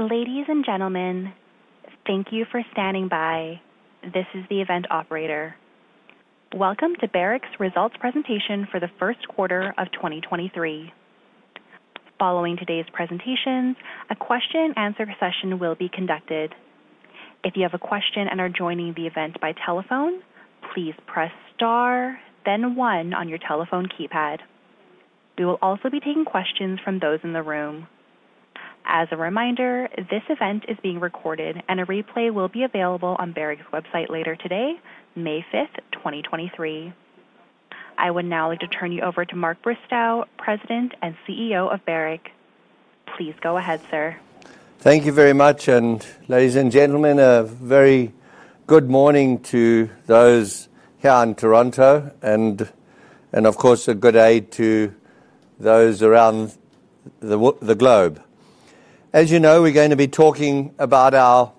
Ladies and gentlemen, thank you for standing by. This is the event operator. Welcome to Barrick's results presentation for the first quarter of 2023. Following today's presentations, a question and answer session will be conducted. If you have a question and are joining the event by telephone, please press star, then one on your telephone keypad. We will also be taking questions from those in the room. As a reminder, this event is being recorded and a replay will be available on Barrick's website later today, May 5, 2023. I would now like to turn you over to Mark Bristow, President and CEO of Barrick. Please go ahead, sir. Thank you very much. Ladies and gentlemen, a very good morning to those here in Toronto and of course, a good day to those around the globe. As you know, we're going to be talking about our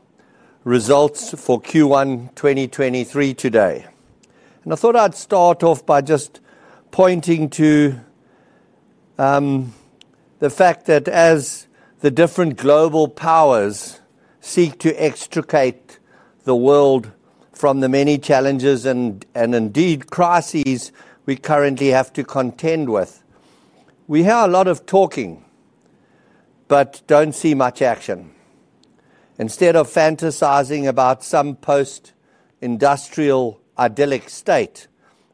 results for Q1 2023 today. I thought I'd start off by just pointing to the fact that as the different global powers seek to extricate the world from the many challenges and indeed crises we currently have to contend with. We hear a lot of talking, but don't see much action. Instead of fantasizing about some post-industrial idyllic state,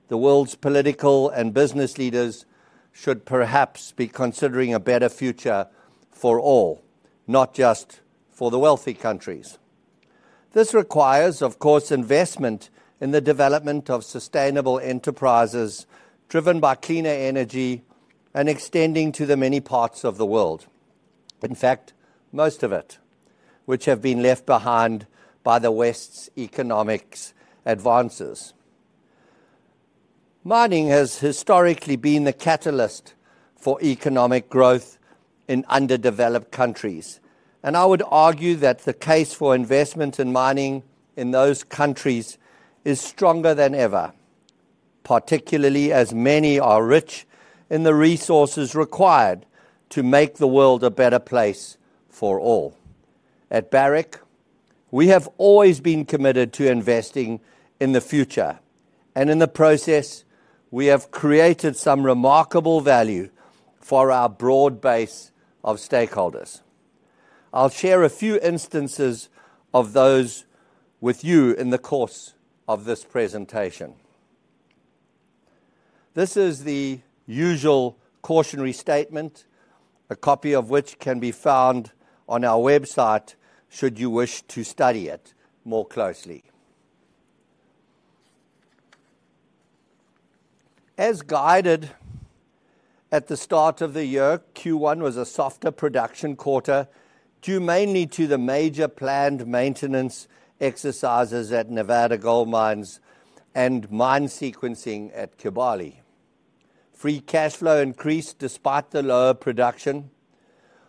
the world's political and business leaders should perhaps be considering a better future for all, not just for the wealthy countries. This requires, of course, investment in the development of sustainable enterprises driven by cleaner energy and extending to the many parts of the world. In fact, most of it, which have been left behind by the West's economics advances. Mining has historically been the catalyst for economic growth in underdeveloped countries. I would argue that the case for investment in mining in those countries is stronger than ever, particularly as many are rich in the resources required to make the world a better place for all. At Barrick, we have always been committed to investing in the future. In the process, we have created some remarkable value for our broad base of stakeholders. I'll share a few instances of those with you in the course of this presentation. This is the usual cautionary statement, a copy of which can be found on our website, should you wish to study it more closely. As guided at the start of the year, Q1 was a softer production quarter, due mainly to the major planned maintenance exercises at Nevada Gold Mines and mine sequencing at Kibali. Free cash flow increased despite the lower production,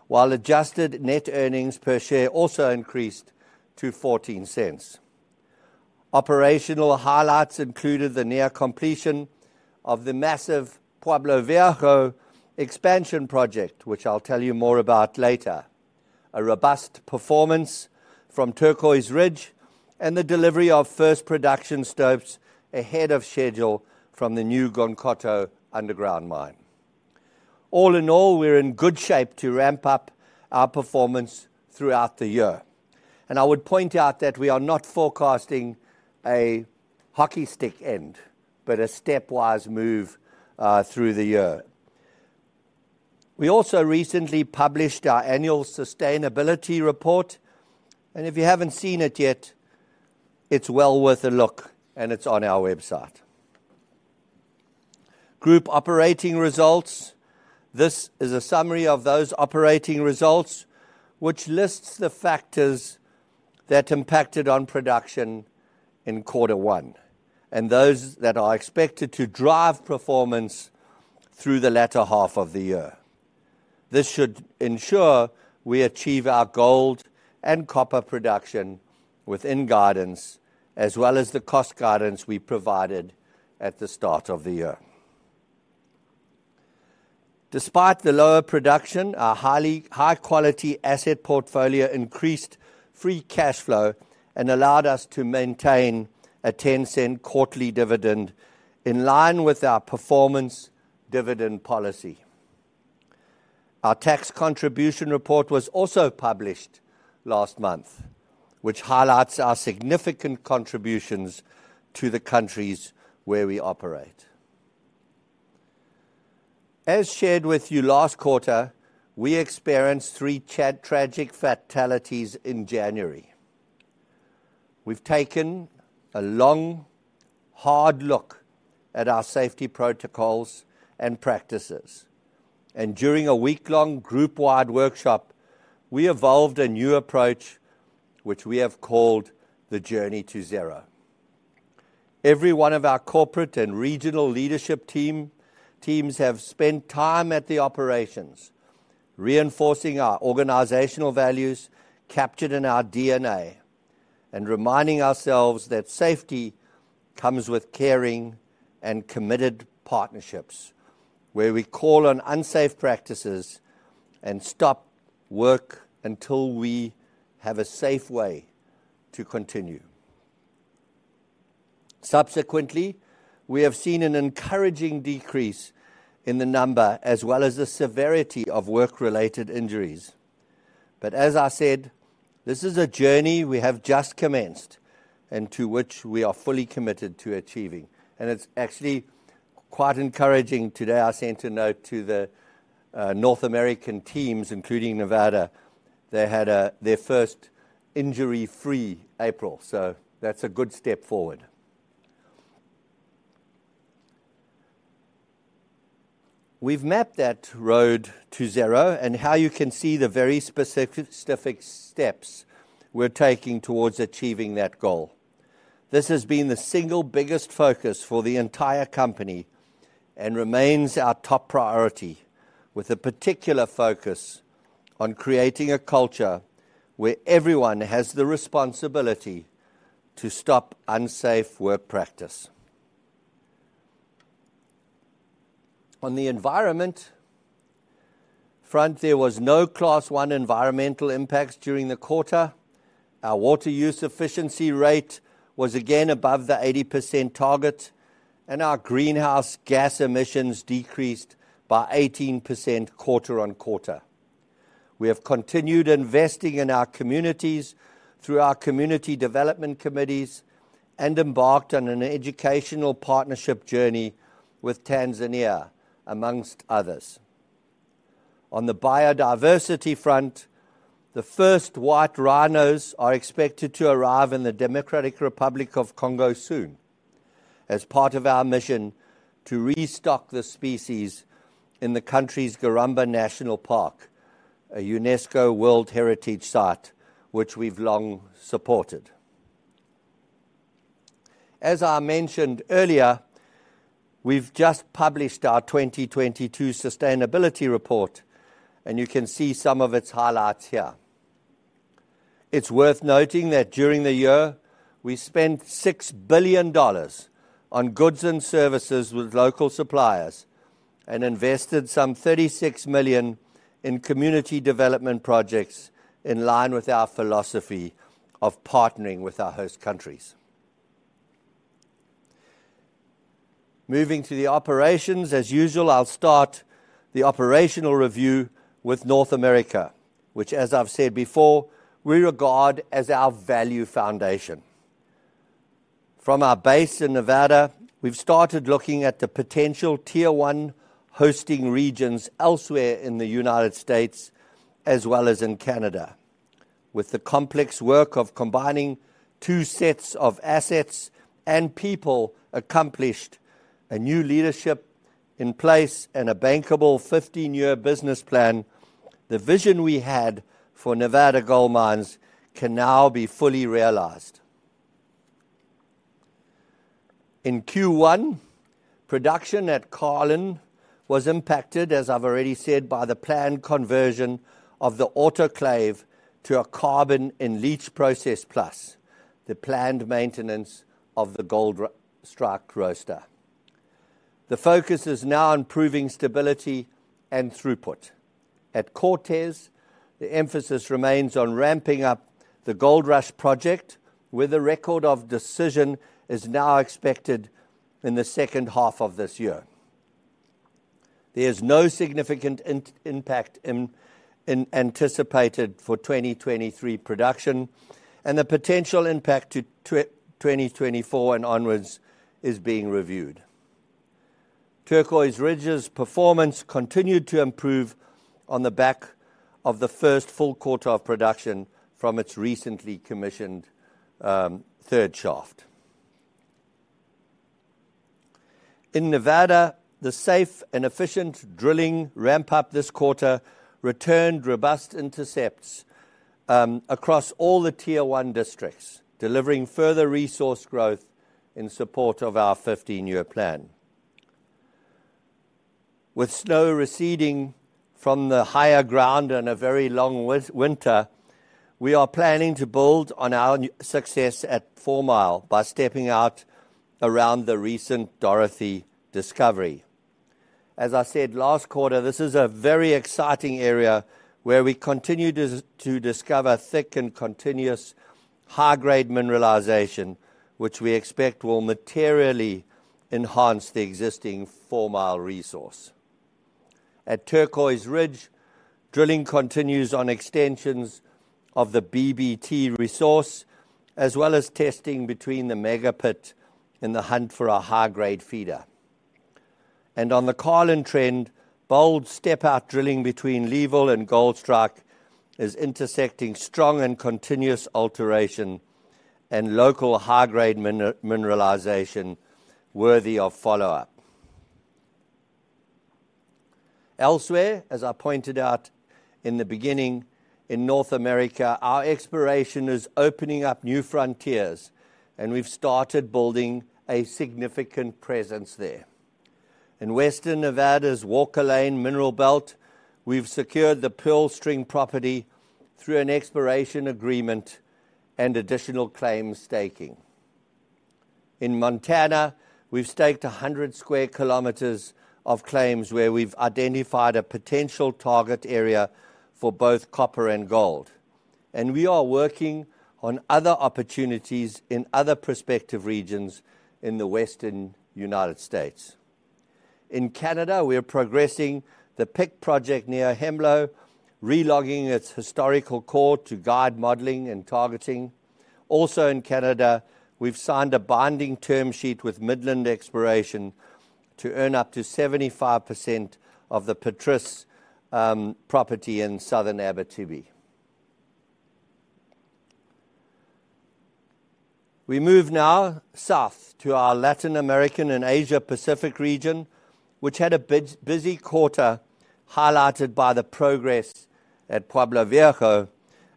while adjusted net earnings per share also increased to $0.14. Operational highlights included the near completion of the massive Pueblo Viejo expansion project, which I'll tell you more about later, a robust performance from Turquoise Ridge and the delivery of first production stopes ahead of schedule from the new Gounkoto underground mine. All in all, we're in good shape to ramp up our performance throughout the year. I would point out that we are not forecasting a hockey stick end, but a stepwise move through the year. We also recently published our annual sustainability report. If you haven't seen it yet, it's well worth a look, and it's on our website. Group operating results. This is a summary of those operating results which lists the factors that impacted on production in Q1 and those that are expected to drive performance through the latter half of the year. This should ensure we achieve our gold and copper production within guidance, as well as the cost guidance we provided at the start of the year. Despite the lower production, our high-quality asset portfolio increased free cash flow and allowed us to maintain a $0.10 quarterly dividend in line with our performance dividend policy. Our tax contribution report was also published last month, which highlights our significant contributions to the countries where we operate. As shared with you last quarter, we experienced three tragic fatalities in January. We've taken a long, hard look at our safety protocols and practices, during a week-long group-wide workshop, we evolved a new approach, which we have called the Journey to Zero. Every one of our corporate and regional leadership teams have spent time at the operations reinforcing our organizational values captured in our DNA. Reminding ourselves that safety comes with caring and committed partnerships, where we call on unsafe practices and stop work until we have a safe way to continue. Subsequently, we have seen an encouraging decrease in the number as well as the severity of work-related injuries. As I said, this is a journey we have just commenced and to which we are fully committed to achieving. It's actually quite encouraging. Today, I sent a note to the North American teams, including Nevada. They had their first injury-free April. That's a good step forward. We've mapped that Journey to Zero and how you can see the very specific steps we're taking towards achieving that goal. This has been the single biggest focus for the entire company and remains our top priority, with a particular focus on creating a culture where everyone has the responsibility to stop unsafe work practice. On the environment front, there was no Class One environmental impacts during the quarter. Our water use efficiency rate was again above the 80% target, and our greenhouse gas emissions decreased by 18% quarter-on-quarter. We have continued investing in our communities through our community development committees and embarked on an educational partnership journey with Tanzania, amongst others. On the biodiversity front, the first white rhinos are expected to arrive in the Democratic Republic of Congo soon as part of our mission to restock the species in the country's Garamba National Park, a UNESCO World Heritage Site which we've long supported. As I mentioned earlier, we've just published our 2022 sustainability report, and you can see some of its highlights here. It's worth noting that during the year, we spent $6 billion on goods and services with local suppliers and invested some $36 million in community development projects in line with our philosophy of partnering with our host countries. Moving to the operations, as usual, I'll start the operational review with North America, which as I've said before, we regard as our value foundation. From our base in Nevada, we've started looking at Tier One hosting regions elsewhere in the United States as well as in Canada. With the complex work of combining two sets of assets and people accomplished, a new leadership in place and a bankable 15-year business plan, the vision we had for Nevada Gold Mines can now be fully realized. In Q1, production at Carlin was impacted, as I've already said, by the planned conversion of the autoclave to a carbon and leach process, plus the planned maintenance of the Gold Quarry roaster. The focus is now on improving stability and throughput. At Cortez, the emphasis remains on ramping up the Goldrush project, with a Record of Decision is now expected in the second half of this year. There is no significant impact in anticipated for 2023 production and the potential impact to 2024 and onwards is being reviewed. Turquoise Ridge's performance continued to improve on the back of the first full quarter of production from its recently commissioned, third shaft. In Nevada, the safe and efficient drilling ramp-up this quarter returned robust intercepts, across all Tier One districts, delivering further resource growth in support of our 15-year plan. With snow receding from the higher ground and a very long winter, we are planning to build on our new success at Four Mile by stepping out around the recent Dorothy discovery. As I said last quarter, this is a very exciting area where we continue to discover thick and continuous high-grade mineralization, which we expect will materially enhance the existing Four Mile resource. At Turquoise Ridge, drilling continues on extensions of the BBT resource, as well as testing between the mega pit and the hunt for a high-grade feeder. On the Carlin Trend, bold step-out drilling between Leeville and Goldstrike is intersecting strong and continuous alteration and local high-grade mineralization worthy of follow-up. Elsewhere, as I pointed out in the beginning, in North America, our exploration is opening up new frontiers, and we've started building a significant presence there. In Western Nevada's Walker Lane mineral belt, we've secured the Pearl String property through an exploration agreement and additional claim staking. In Montana, we've staked 100 sq km of claims where we've identified a potential target area for both copper and gold. We are working on other opportunities in other prospective regions in the Western United States. In Canada, we are progressing the Pic project near Hemlo, re-logging its historical core to guide modeling and targeting. Also in Canada, we've signed a binding term sheet with Midland Exploration to earn up to 75% of the Patris property in Southern Abitibi. We move now south to our Latin American and Asia Pacific region, which had a busy quarter highlighted by the progress at Pueblo Viejo,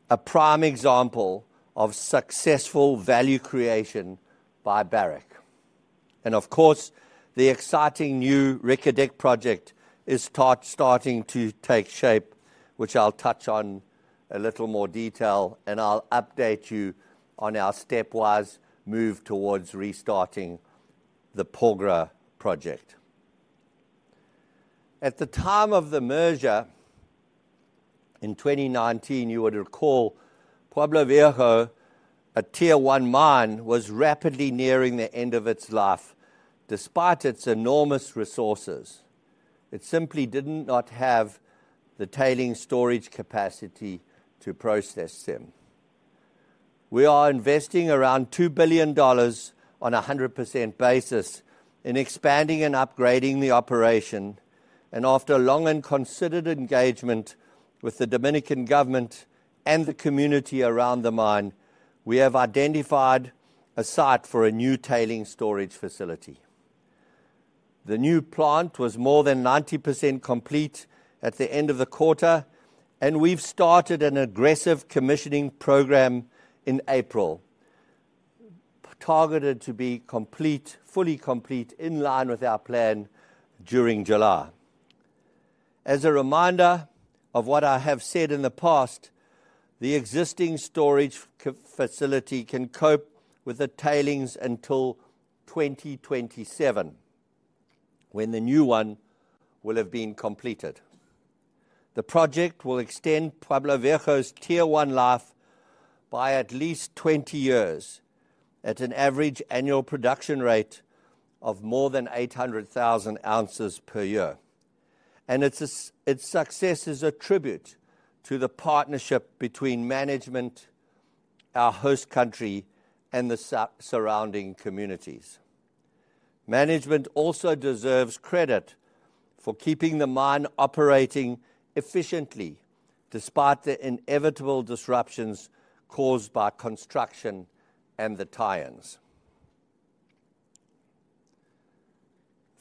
a prime example of successful value creation by Barrick. Of course, the exciting new Reko Diq project is starting to take shape, which I'll touch on a little more detail, and I'll update you on our stepwise move towards restarting the Porgera project. At the time of the merger in 2019, you would recall Pueblo Viejo, Tier One mine, was rapidly nearing the end of its life, despite its enormous resources. It simply didn't not have the tailing storage capacity to process them. We are investing around $2 billion on a 100% basis in expanding and upgrading the operation. After a long and considered engagement with the Dominican government and the community around the mine, we have identified a site for a new tailing storage facility. The new plant was more than 90% complete at the end of the quarter, and we've started an aggressive commissioning program in April, targeted to be fully complete in line with our plan during July. As a reminder of what I have said in the past, the existing storage facility can cope with the tailings until 2027, when the new one will have been completed. The project will extend Pueblo Tier One life by at least 20 years at an average annual production rate of more than 800,000 ounces per year. Its success is a tribute to the partnership between management, our host country, and the surrounding communities. Management also deserves credit for keeping the mine operating efficiently despite the inevitable disruptions caused by construction and the tie-ins.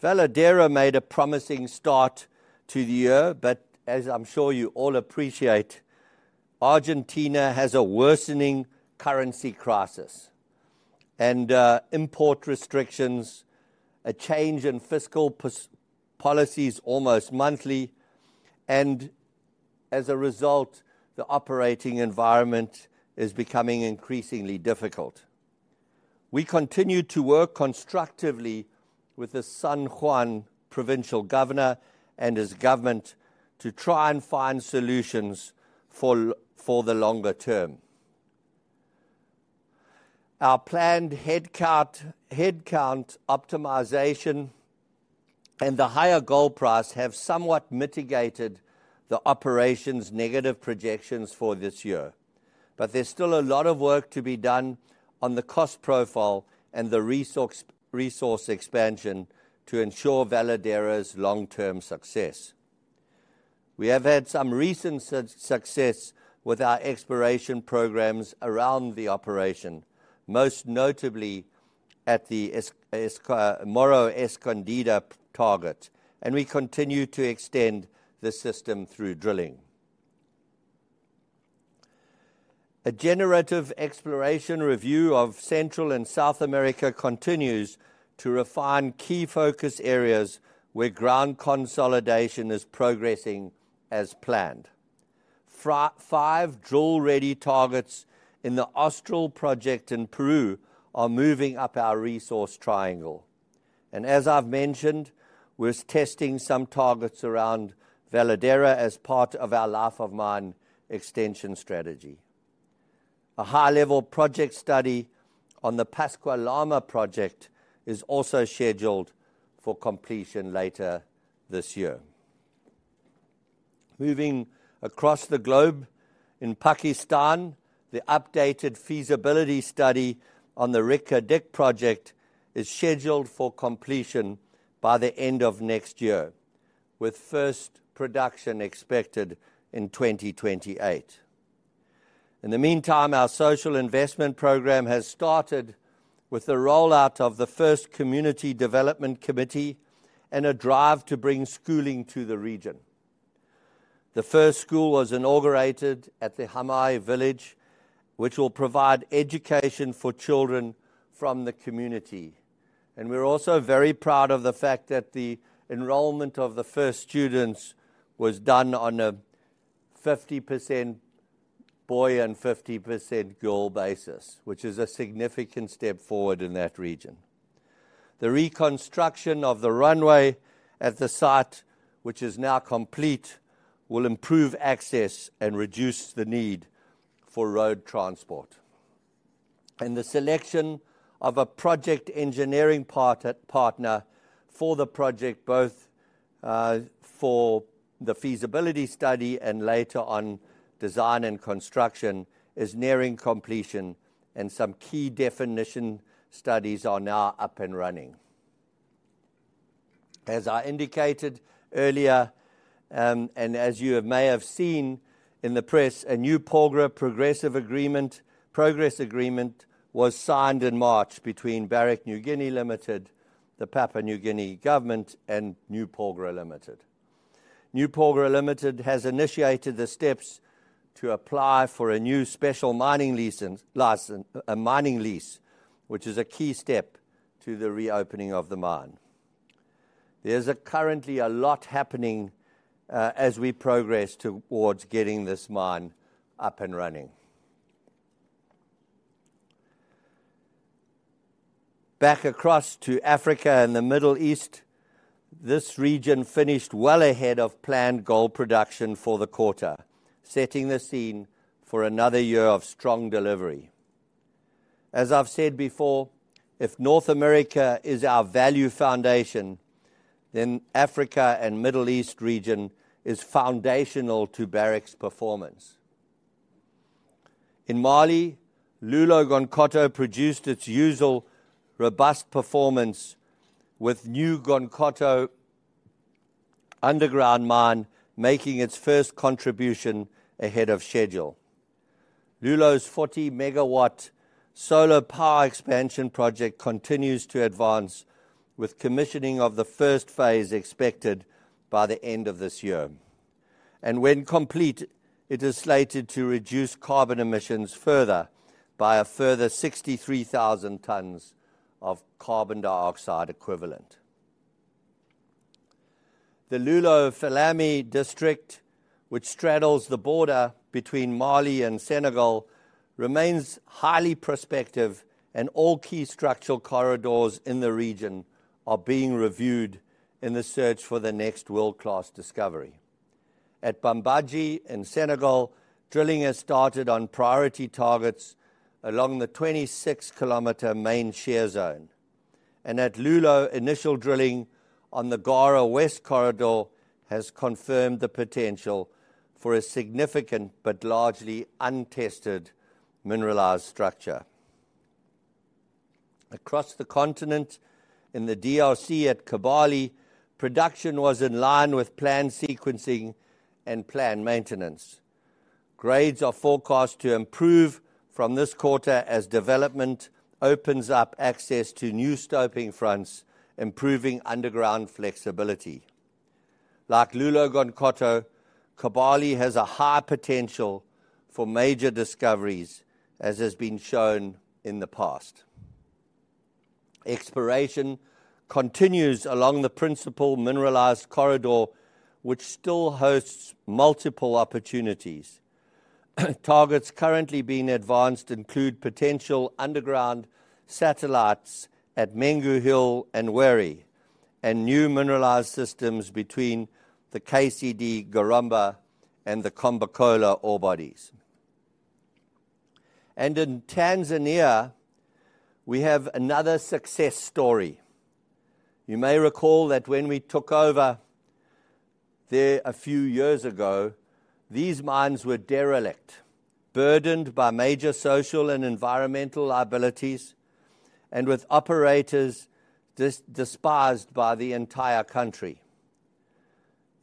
Veladero made a promising start to the year, as I'm sure you all appreciate, Argentina has a worsening currency crisis and import restrictions, a change in fiscal policies almost monthly, and as a result, the operating environment is becoming increasingly difficult. We continue to work constructively with the San Juan provincial governor and his government to try and find solutions for the longer term. Our planned headcount optimization and the higher gold price have somewhat mitigated the operations negative projections for this year. There's still a lot of work to be done on the cost profile and the resource expansion to ensure Veladero's long-term success. We have had some recent success with our exploration programs around the operation, most notably at the Morro Escondido target, and we continue to extend the system through drilling. A generative exploration review of Central and South America continues to refine key focus areas where ground consolidation is progressing as planned. Five drill-ready targets in the Austral project in Peru are moving up our resource triangle. As I've mentioned, we're testing some targets around Veladero as part of our life of mine extension strategy. A high-level project study on the Pascua-Lama project is also scheduled for completion later this year. Moving across the globe, in Pakistan, the updated feasibility study on the Reko Diq project is scheduled for completion by the end of next year, with first production expected in 2028. In the meantime, our social investment program has started with the rollout of the first community development committee and a drive to bring schooling to the region. The first school was inaugurated at the Hamai village, which will provide education for children from the community. We're also very proud of the fact that the enrollment of the first students was done on a 50% boy and 50% girl basis, which is a significant step forward in that region. The reconstruction of the runway at the site, which is now complete, will improve access and reduce the need for road transport. The selection of a project engineering partner for the project, both for the feasibility study and later on design and construction, is nearing completion and some key definition studies are now up and running. As I indicated earlier, and as you have may have seen in the press, a new Porgera progress agreement was signed in March between Barrick Niugini Limited, the Papua New Guinea government, and New Porgera Limited. New Porgera Limited has initiated the steps to apply for a new Special Mining Lease, a mining lease, which is a key step to the reopening of the mine. There's currently a lot happening, as we progress towards getting this mine up and running. Back across to Africa and the Middle East, this region finished well ahead of planned gold production for the quarter, setting the scene for another year of strong delivery. As I've said before, if North America is our value foundation, then Africa and Middle East region is foundational to Barrick's performance. In Mali, Loulo-Gounkoto produced its usual robust performance with new Gounkoto underground mine making its first contribution ahead of schedule. Loulo's 40-MW solar power expansion project continues to advance, with commissioning of the first phase expected by the end of this year. When complete, it is slated to reduce carbon emissions further by a further 63,000 tons of carbon dioxide equivalent. The Loulo-Fellami district, which straddles the border between Mali and Senegal, remains highly prospective, and all key structural corridors in the region are being reviewed in the search for the next world-class discovery. At Bambadji in Senegal, drilling has started on priority targets along the 26 km main shear zone. At Loulo, initial drilling on the Gara West corridor has confirmed the potential for a significant but largely untested mineralized structure. Across the continent in the DRC at Kibali, production was in line with planned sequencing and planned maintenance. Grades are forecast to improve from this quarter as development opens up access to new stoping fronts, improving underground flexibility. Like Loulo-Gounkoto, Kibali has a high potential for major discoveries, as has been shown in the past. Exploration continues along the principal mineralized corridor, which still hosts multiple opportunities. Targets currently being advanced include potential underground satellites at Mengu Hill and Mofu-Weri, and new mineralized systems between the KCD Gorumbwa and the Kombokolo ore bodies. In Tanzania, we have another success story. You may recall that when we took over there a few years ago, these mines were derelict, burdened by major social and environmental liabilities and with operators despised by the entire country.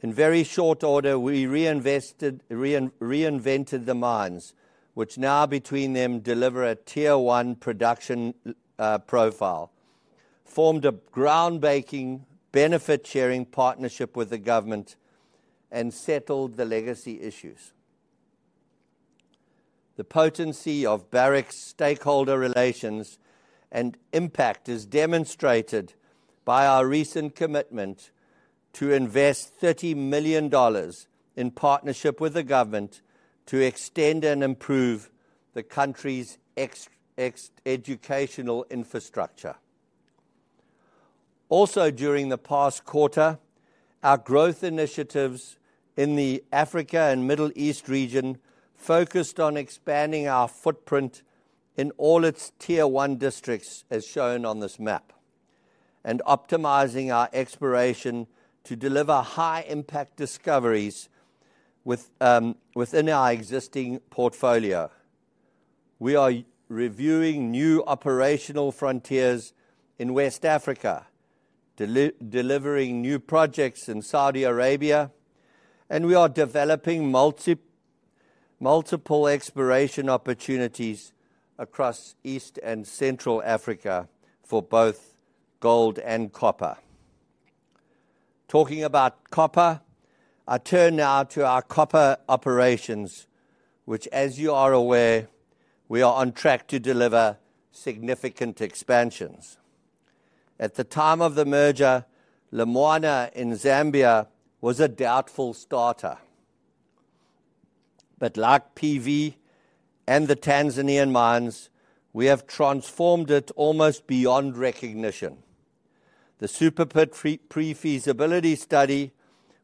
In very short order, we reinvented the mines, which now between them deliver a tier-one production profile, formed a groundbreaking benefit-sharing partnership with the government, and settled the legacy issues. The potency of Barrick's stakeholder relations and impact is demonstrated by our recent commitment to invest $30 million in partnership with the government to extend and improve the country's educational infrastructure. During the past quarter, our growth initiatives in the Africa and Middle East region focused on expanding our footprint in all its tier-one districts, as shown on this map, and optimizing our exploration to deliver high-impact discoveries with within our existing portfolio. We are reviewing new operational frontiers in West Africa, delivering new projects in Saudi Arabia. We are developing multiple exploration opportunities across East and Central Africa for both gold and copper. Talking about copper, I turn now to our copper operations which, as you are aware, we are on track to deliver significant expansions. At the time of the merger, Lumwana in Zambia was a doubtful starter. Like PV and the Tanzanian mines, we have transformed it almost beyond recognition. The Super Pit pre-feasibility study,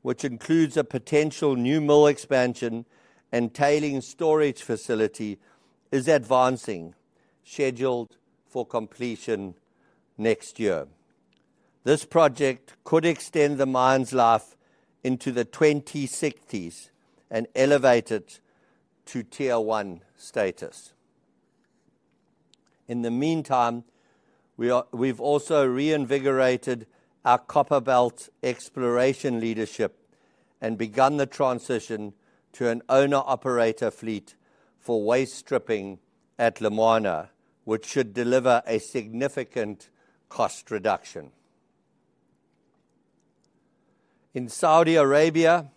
which includes a potential new mill expansion and tailing storage facility, is advancing, scheduled for completion next year. This project could extend the mine's life into the 2060s and elevate it Tier One status. In the meantime, we've also reinvigorated our copper belt exploration leadership and begun the transition to an owner/operator fleet for waste stripping at Lumwana, which should deliver a significant cost reduction. In Saudi Arabia,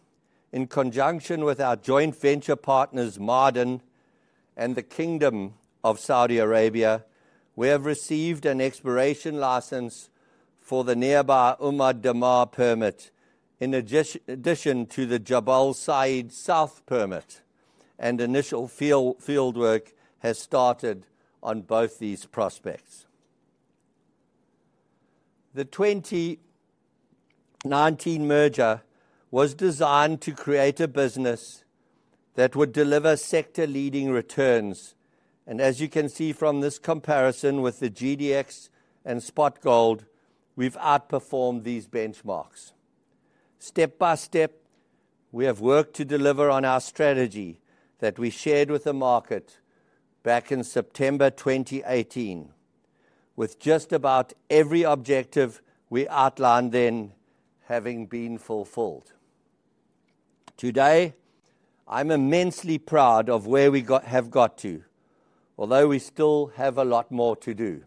in conjunction with our joint venture partners Ma'aden and the Kingdom of Saudi Arabia, we have received an exploration license for the nearby Umm ad Damar permit in addition to the Jabal Sayid South permit, and initial field work has started on both these prospects. The 2019 merger was designed to create a business that would deliver sector-leading returns. As you can see from this comparison with the GDX and spot gold, we've outperformed these benchmarks. Step by step, we have worked to deliver on our strategy that we shared with the market back in September 2018, with just about every objective we outlined then having been fulfilled. Today, I'm immensely proud of where we have got to, although we still have a lot more to do.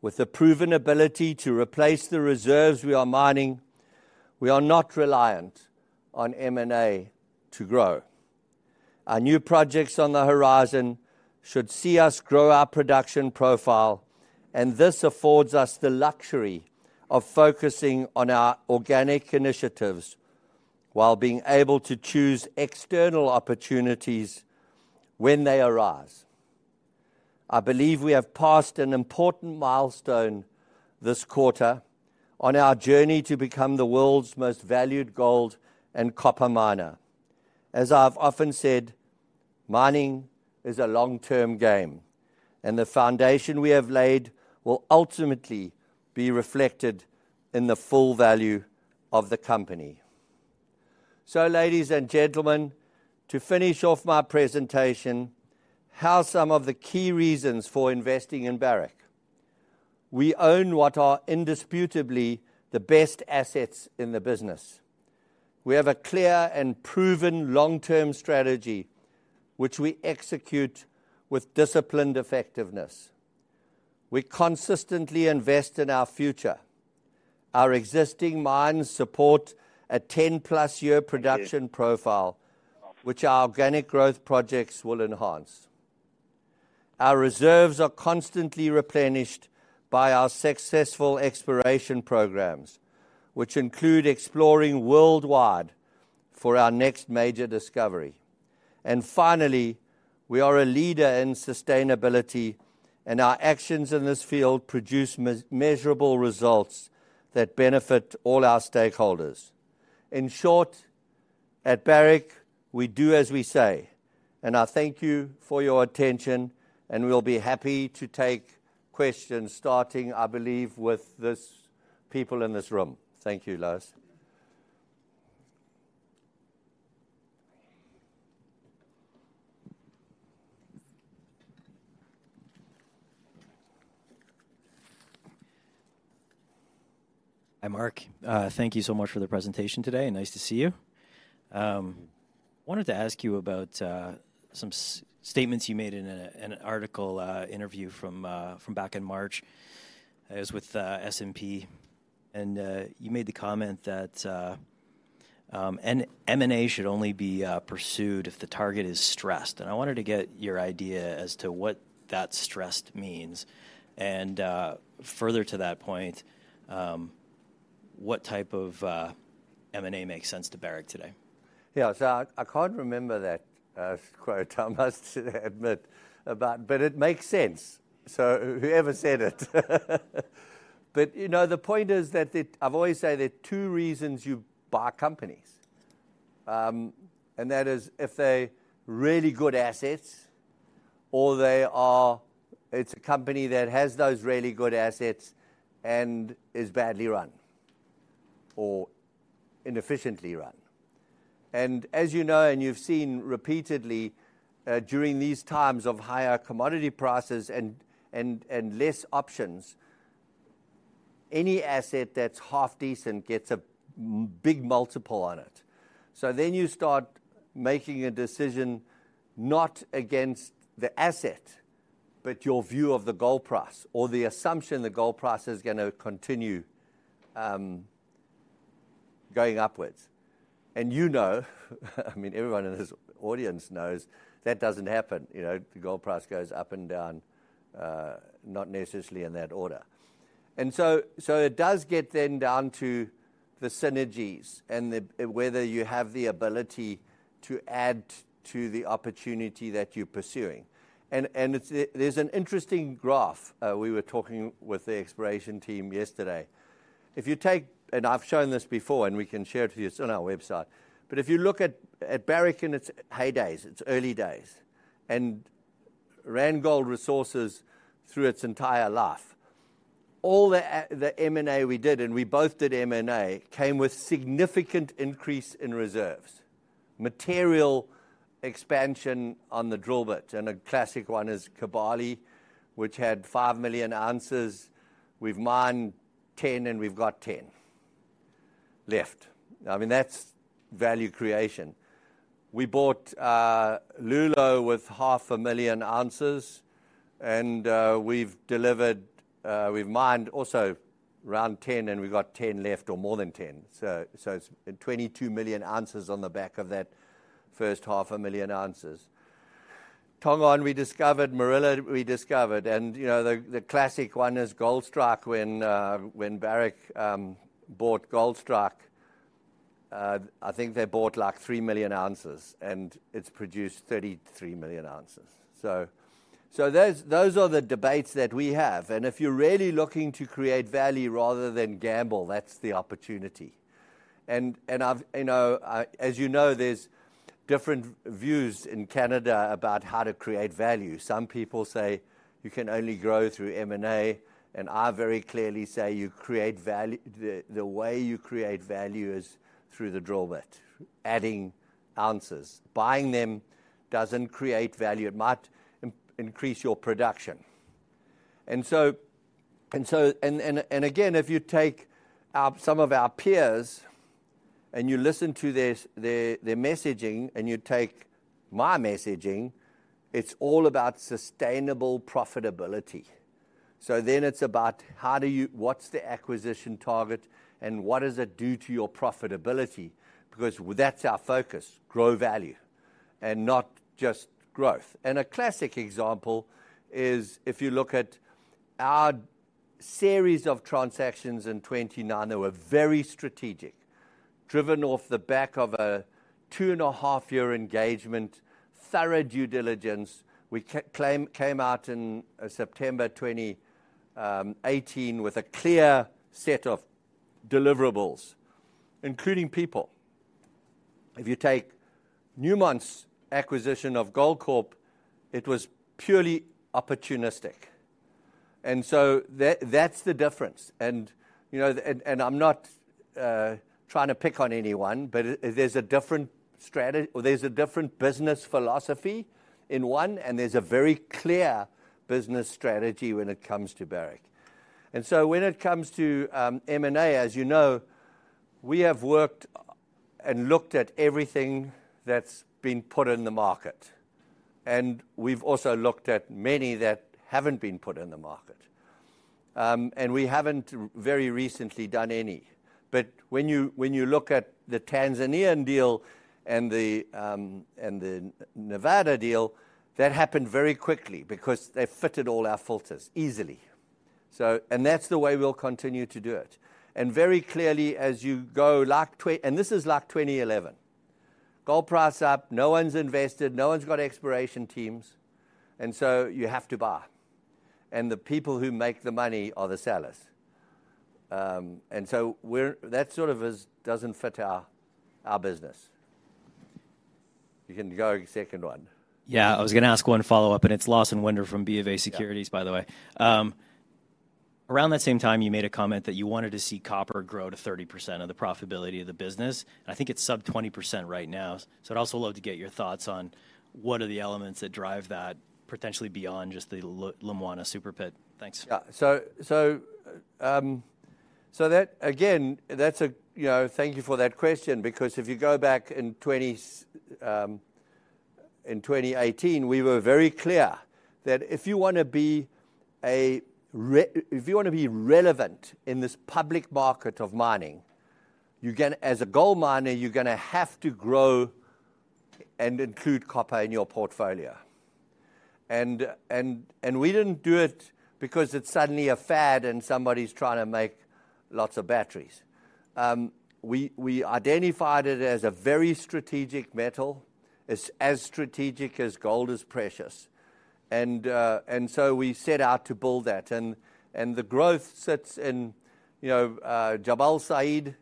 With the proven ability to replace the reserves we are mining, we are not reliant on M&A to grow. Our new projects on the horizon should see us grow our production profile, this affords us the luxury of focusing on our organic initiatives while being able to choose external opportunities when they arise. I believe we have passed an important milestone this quarter on our journey to become the world's most valued gold and copper miner. As I've often said, mining is a long-term game, the foundation we have laid will ultimately be reflected in the full value of the company. Ladies and gentlemen, to finish off my presentation, how some of the key reasons for investing in Barrick. We own what are indisputably the best assets in the business. We have a clear and proven long-term strategy which we execute with disciplined effectiveness. We consistently invest in our future. Our existing mines support a 10+ year production profile which our organic growth projects will enhance. Our reserves are constantly replenished by our successful exploration programs which include exploring worldwide for our next major discovery. Finally, we are a leader in sustainability, and our actions in this field produce measurable results that benefit all our stakeholders. In short, at Barrick, we do as we say. I thank you for your attention, and we'll be happy to take questions starting, I believe, with this people in this room. Thank you, Lawson. Hi, Mark. Thank you so much for the presentation today. Nice to see you. Wanted to ask you about some statements you made in an article interview from back in March. It was with S&P. You made the comment that M&A should only be pursued if the target is stressed. I wanted to get your idea as to what that stressed means. Further to that point, what type of M&A makes sense to Barrick today? Yeah. I can't remember that quote, I must admit. It makes sense. Whoever said it. You know, the point is that I've always said there are two reasons you buy companies. That is if they're really good assets or it's a company that has those really good assets and is badly run or inefficiently run. As you know and you've seen repeatedly, during these times of higher commodity prices and less options-Any asset that's half decent gets a big multiple on it. You start making a decision not against the asset, but your view of the gold price or the assumption the gold price is gonna continue going upwards. You know, I mean, everyone in this audience knows that doesn't happen. You know, the gold price goes up and down, not necessarily in that order. So it does get then down to the synergies and the, whether you have the ability to add to the opportunity that you're pursuing. It's, there's an interesting graph. We were talking with the exploration team yesterday. If you take. I've shown this before, and we can share it with you. It's on our website. If you look at Barrick in its heydays, its early days, and Randgold Resources through its entire life, all the M&A we did, and we both did M&A, came with significant increase in reserves, material expansion on the drill bit. A classic one is Kibali, which had 5 million ounces. We've mined 10, and we've got 10 left. I mean, that's value creation. We bought Loulo with half a million ounces and we've delivered, we've mined also around 10, and we've got 10 left or more than 10. It's 22 million ounces on the back of that first half a million ounces. Tongon, we discovered, Morila we discovered, and, you know, the classic one is Goldstrike when Barrick bought Goldstrike, I think they bought like 3 million ounces, and it's produced 33 million ounces. Those are the debates that we have. If you're really looking to create value rather than gamble, that's the opportunity. I've... You know, As you know, there's different views in Canada about how to create value. Some people say you can only grow through M&A. I very clearly say you create value, the way you create value is through the drill bit, adding ounces. Buying them doesn't create value. It might increase your production. Again, if you take our, some of our peers and you listen to their messaging and you take my messaging, it's all about sustainable profitability. It's about how do you what's the acquisition target and what does it do to your profitability? Because that's our focus, grow value and not just growth. A classic example is if you look at our series of transactions in 2029, they were very strategic, driven off the back of a 2.5-year engagement, thorough due diligence. We came out in September 20, 2018 with a clear set of deliverables, including people. If you take Newmont's acquisition of Goldcorp, it was purely opportunistic, so that's the difference. You know, I'm not trying to pick on anyone, but there's a different business philosophy in one, and there's a very clear business strategy when it comes to Barrick. When it comes to M&A, as you know, we have worked and looked at everything that's been put in the market, and we've also looked at many that haven't been put in the market. We haven't very recently done any. When you, when you look at the Tanzanian deal and the Nevada deal, that happened very quickly because they fitted all our filters easily. That's the way we'll continue to do it. Very clearly, as you go, like and this is like 2011. Gold price up, no one's invested, no one's got exploration teams, and so you have to buy. The people who make the money are the sellers. That sort of is, doesn't fit our business. You can go second one. Yeah. I was gonna ask one follow-up, it's Lawson Winder from BofA Securities- Yeah... by the way. around that same time you made a comment that you wanted to see copper grow to 30% of the profitability of the business, and I think it's sub 20% right now. I'd also love to get your thoughts on what are the elements that drive that potentially beyond just the Lumwana Super Pit. Thanks. That again, that's a, you know, thank you for that question because if you go back in 2018, we were very clear that if you wanna be relevant in this public market of mining, as a gold miner, you're gonna have to grow and include copper in your portfolio. We didn't do it because it's suddenly a fad and somebody's trying to make lots of batteries. We identified it as a very strategic metal. It's as strategic as gold is precious. We set out to build that. The growth sits in, you know, Jabal Sayid.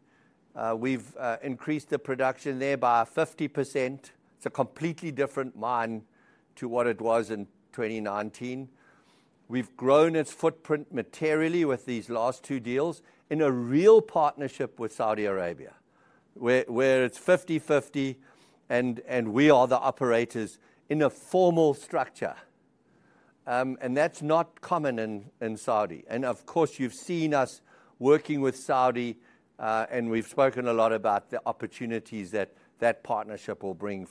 We've increased the production there by 50%. It's a completely different mine to what it was in 2019. We've grown its footprint materially with these last two deals in a real partnership with Saudi Arabia, where it's 50/50 and we are the operators in a formal structure. That's not common in Saudi. Of course, you've seen us working with Saudi and we've spoken a lot about the opportunities that that partnership will bring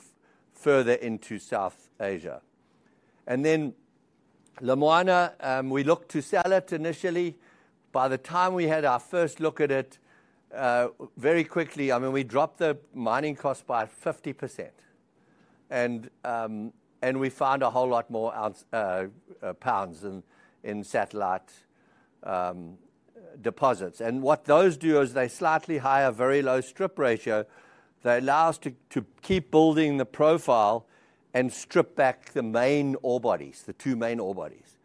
further into South Asia. Lumwana, we looked to sell it initially. By the time we had our first look at it, very quickly, I mean, we dropped the mining cost by 50% and we found a whole lot more pounds in satellite deposits. What those do is they slightly higher very low strip ratio, they allow us to keep building the profile and strip back the main ore bodies, the two main ore bodies.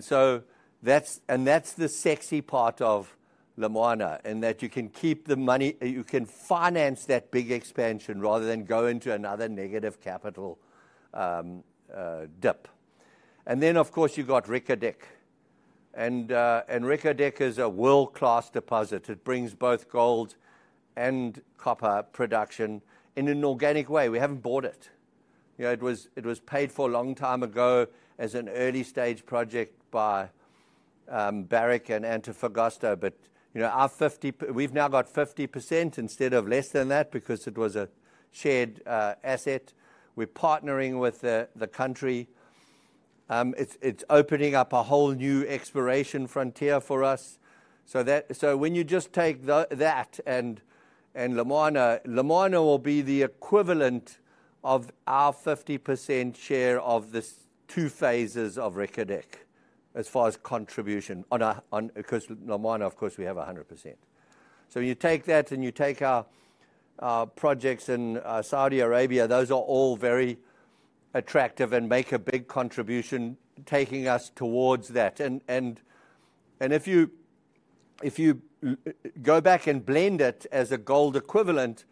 So that's the sexy part of Lumwana, and that you can keep the money, you can finance that big expansion rather than go into another negative capital dip. Then, of course, you've got Reko Diq. Reko Diq is a world-class deposit. It brings both gold and copper production in an organic way. We haven't bought it. You know, it was, it was paid for a long time ago as an early-stage project by Barrick and Antofagasta. You know, we've now got 50% instead of less than that because it was a shared asset. We're partnering with the country. It's opening up a whole new exploration frontier for us. When you just take that and Lumwana will be the equivalent of our 50% share of this two phases of Reko Diq as far as contribution on a, 'cause Lumwana, of course, we have a 100%. You take that and you take our projects in Saudi Arabia, those are all very attractive and make a big contribution taking us towards that. If you go back and blend it as a gold equivalent,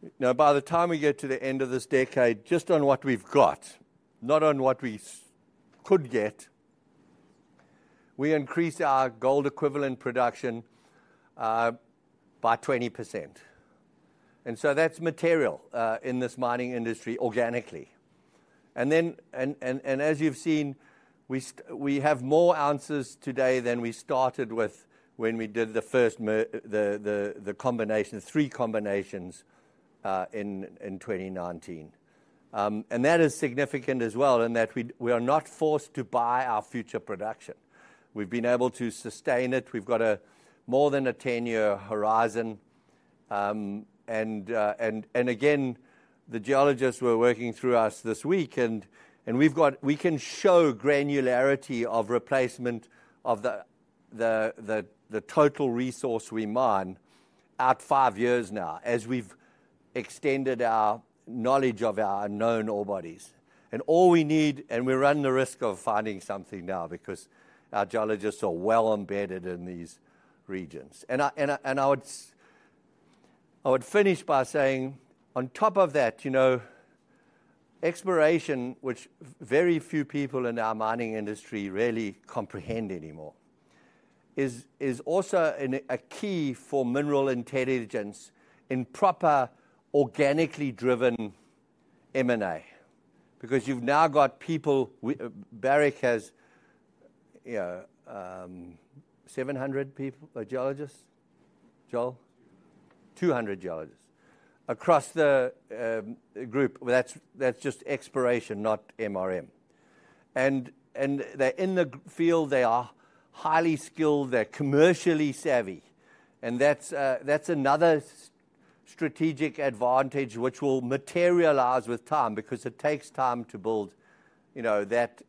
you know, by the time we get to the end of this decade, just on what we've got, not on what we could get, we increase our gold equivalent production by 20%. That's material in this mining industry organically. As you've seen, we have more ounces today than we started with when we did the first combination, three combinations, in 2019. That is significant as well in that we are not forced to buy our future production. We've been able to sustain it. We've got a more than a 10-year horizon. Again, the geologists were working through us this week, we can show granularity of replacement of the total resource we mine out five years now as we've extended our knowledge of our known ore bodies. All we need, and we run the risk of finding something now because our geologists are well embedded in these regions. I would finish by saying on top of that, you know, exploration, which very few people in our mining industry really comprehend anymore, is also a key for mineral intelligence in proper organically driven M&A. Because you've now got people Barrick has, you know, 700 people, geologists? Joel. 200. 200 geologists across the group. Well, that's just exploration, not MRM. They're in the field, they are highly skilled, they're commercially savvy. That's another strategic advantage which will materialize with time because it takes time to build, you know, that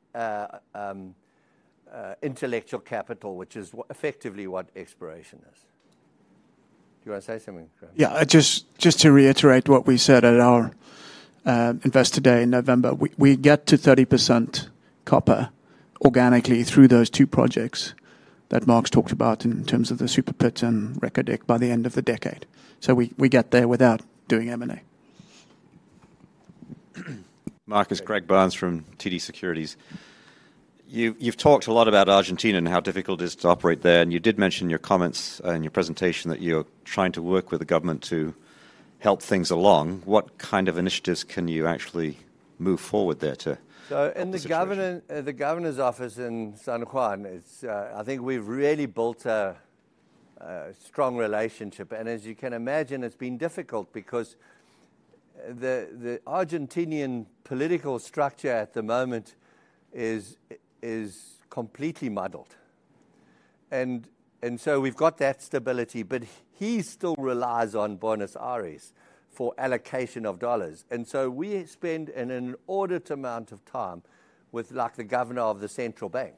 intellectual capital, which is effectively what exploration is. Do you wanna say something, Craig. Yeah. just to reiterate what we said at our Investor Day in November. We get to 30% copper organically through those two projects that Mark's talked about in terms of the Super Pit and Reko Diq by the end of the decade. We get there without doing M&A. Mark, it's Greg Barnes from TD Securities. You've talked a lot about Argentina and how difficult it is to operate there, and you did mention in your comments, in your presentation that you're trying to work with the government to help things along. What kind of initiatives can you actually move forward there? in the governor- help the situation? The governor's office in San Juan is, I think we've really built a strong relationship. As you can imagine, it's been difficult because the Argentinian political structure at the moment is completely muddled. So we've got that stability, but he still relies on Buenos Aires for allocation of dollars. We spend an inordinate amount of time with like the governor of the central bank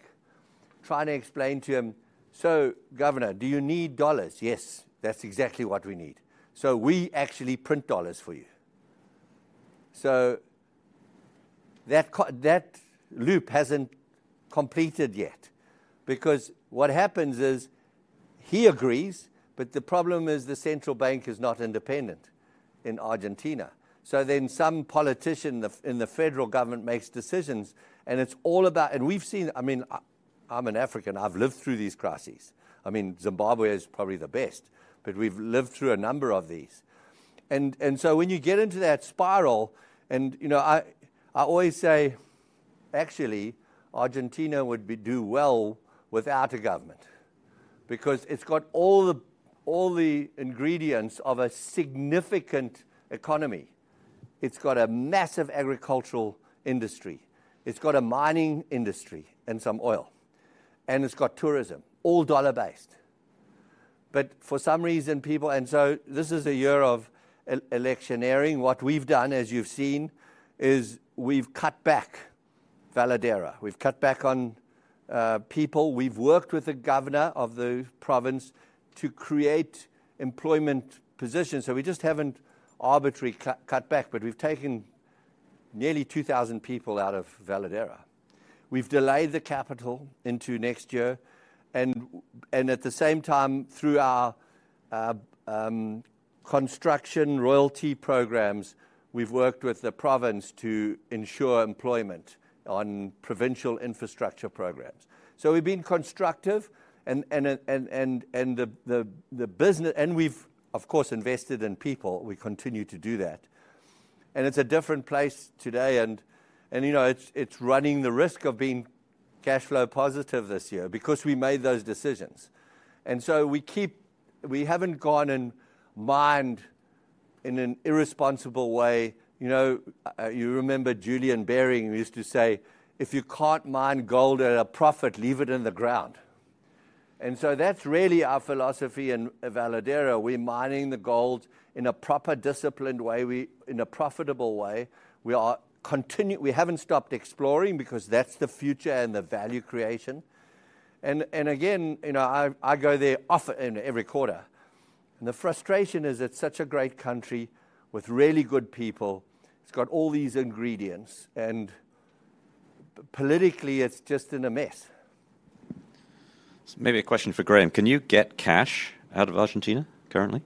trying to explain to him, "So Governor, do you need dollars?" "Yes, that's exactly what we need." "So we actually print dollars for you." That loop hasn't completed yet because what happens is he agrees, but the problem is the central bank is not independent in Argentina. Some politician in the federal government makes decisions, and it's all about. We've seen, I mean, I'm an African, I've lived through these crises. I mean, Zimbabwe is probably the best, but we've lived through a number of these. When you get into that spiral and, you know, I always say, actually, Argentina would be do well without a government because it's got all the ingredients of a significant economy. It's got a massive agricultural industry. It's got a mining industry and some oil. It's got tourism, all dollar-based. For some reason, people. This is a year of electioneering. What we've done, as you've seen, is we've cut back Veladero. We've cut back on people. We've worked with the governor of the province to create employment positions. We just haven't arbitrary cut back, but we've taken nearly 2,000 people out of Veladero. We've delayed the capital into next year. At the same time, through our construction royalty programs, we've worked with the province to ensure employment on provincial infrastructure programs. We've been constructive and, of course, invested in people. We continue to do that. It's a different place today and, you know, it's running the risk of being cash flow positive this year because we made those decisions. We haven't gone and mined in an irresponsible way. You know, you remember Julian Baring who used to say, "If you can't mine gold at a profit, leave it in the ground." That's really our philosophy in Veladero. We're mining the gold in a proper, disciplined way. In a profitable way. We haven't stopped exploring because that's the future and the value creation. Again, you know, I go there often every quarter. The frustration is it's such a great country with really good people. It's got all these ingredients and politically, it's just in a mess. Maybe a question for Graham. Can you get cash out of Argentina currently?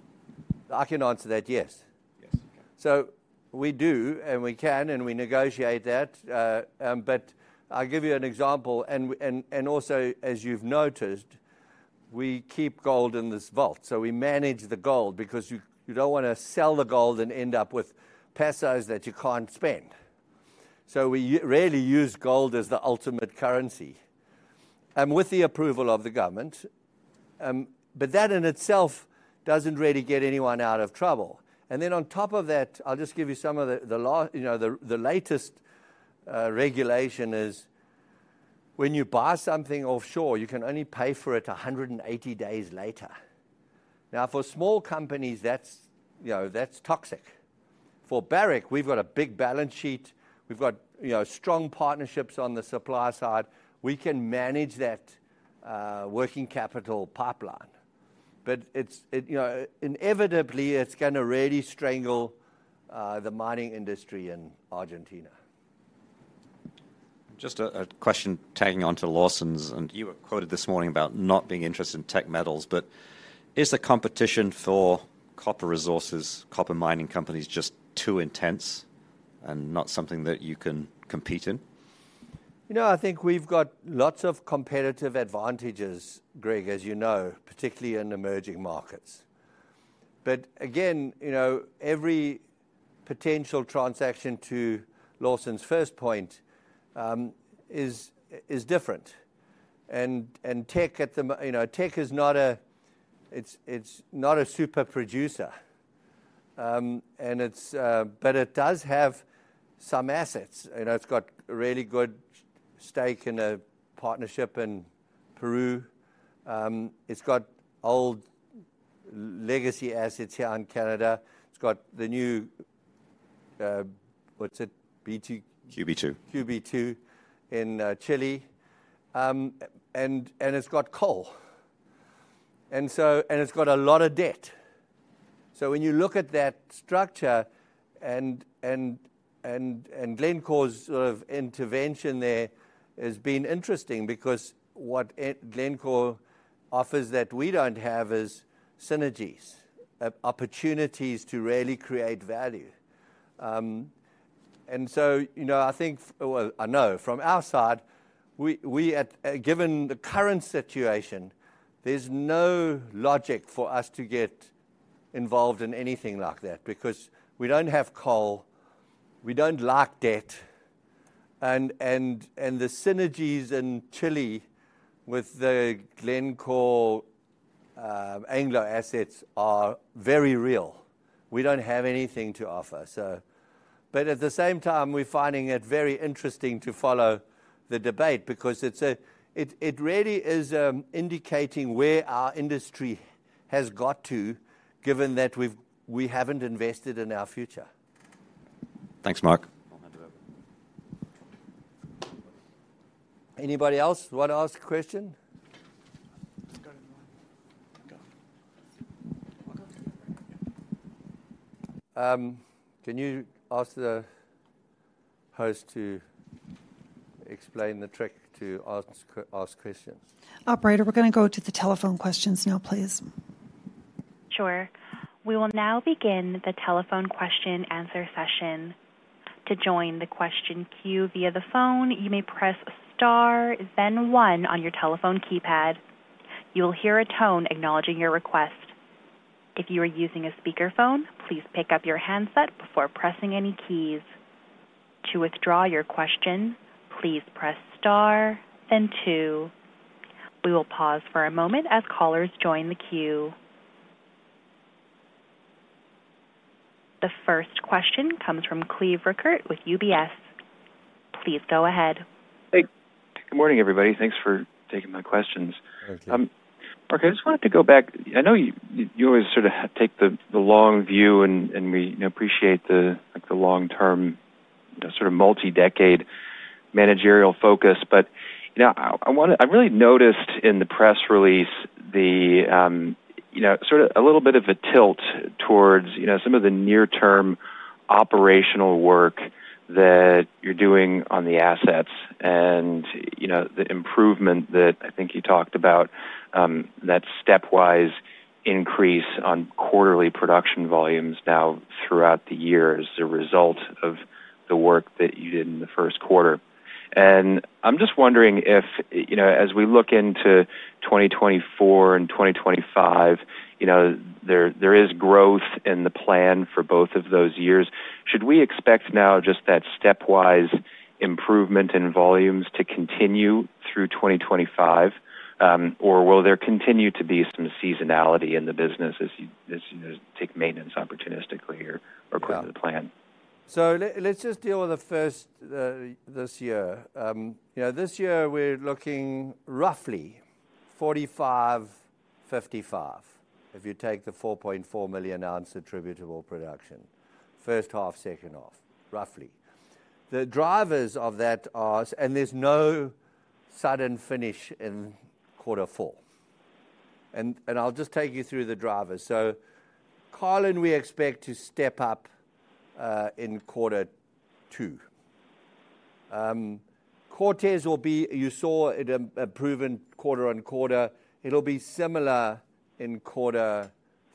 I can answer that, yes. Yes, okay. We do and we can, and we negotiate that. I'll give you an example and also as you've noticed, we keep gold in this vault. We manage the gold because you don't wanna sell the gold and end up with pesos that you can't spend. We really use gold as the ultimate currency, and with the approval of the government. That in itself doesn't really get anyone out of trouble. On top of that, I'll just give you some of the, you know, the latest regulation is when you buy something offshore, you can only pay for it 180 days later. For small companies, that's, you know, that's toxic. For Barrick, we've got a big balance sheet. We've got, you know, strong partnerships on the supply side. We can manage that, working capital pipeline. It's, you know, inevitably, it's gonna really strangle, the mining industry in Argentina. Just a question tagging on to Lawson's. You were quoted this morning about not being interested in Teck metals. Is the competition for copper resources, copper mining companies, just too intense and not something that you can compete in? You know, I think we've got lots of competitive advantages, Greg, as you know, particularly in emerging markets. Again, you know, every potential transaction, to Lawson's first point, is different. Teck at the mo-- you know, Teck is not a, it's not a super producer. And it's, but it does have some assets. You know, it's got a really good stake in a partnership in Peru. It's got old legacy assets here in Canada. It's got the new, what's it? QB2 QB2. QB2 in Chile. It's got coal. It's got a lot of debt. When you look at that structure and Glencore's of intervention there has been interesting because what Glencore offers that we don't have is synergies, opportunities to really create value. You know, I think, well, I know from our side, we at given the current situation, there's no logic for us to get involved in anything like that because we don't have coal, we don't like debt, and the synergies in Chile with the Glencore, Anglo assets are very real. We don't have anything to offer, so. At the same time, we're finding it very interesting to follow the debate because it really is indicating where our industry has got to, given that we haven't invested in our future. Thanks, Mark. I'll hand it over. Anybody else wanna ask a question? Go to the mic. Go. I'll come to you. Can you ask the host to explain the trick to ask questions? Operator, we're gonna go to the telephone questions now, please. Sure. We will now begin the telephone question answer session. To join the question queue via the phone, you may press star, then one on your telephone keypad. You will hear a tone acknowledging your request. If you are using a speakerphone, please pick up your handset before pressing any keys. To withdraw your question, please press Star then two. We will pause for a moment as callers join the queue. The first question comes from Cleve Rueckert with UBS. Please go ahead. Hey, good morning, everybody. Thanks for taking my questions. Thank you. Mark, I just wanted to go back. I know you always sort of take the long view and we appreciate the, like the long-term, the sort of multi-decade managerial focus. You know, I really noticed in the press release the, you know, sort of a little bit of a tilt towards, you know, some of the near-term operational work that you're doing on the assets and, you know, the improvement that I think you talked about, that stepwise increase on quarterly production volumes now throughout the year as a result of the work that you did in the first quarter. I'm just wondering if, you know, as we look into 2024 and 2025, you know, there is growth in the plan for both of those years. Should we expect now just that stepwise improvement in volumes to continue through 2025, or will there continue to be some seasonality in the business as you take maintenance opportunistically here or according to the plan? Let's just deal with the first this year. You know, this year we're looking roughly 45, 55. If you take the 4.4 million ounce attributable production, first half, second half, roughly. The drivers of that are. There's no sudden finish in quarter four. I'll just take you through the drivers. Carlin, we expect to step up in quarter two. Cortez will be you saw it, a proven quarter-on-quarter. It'll be similar in quarter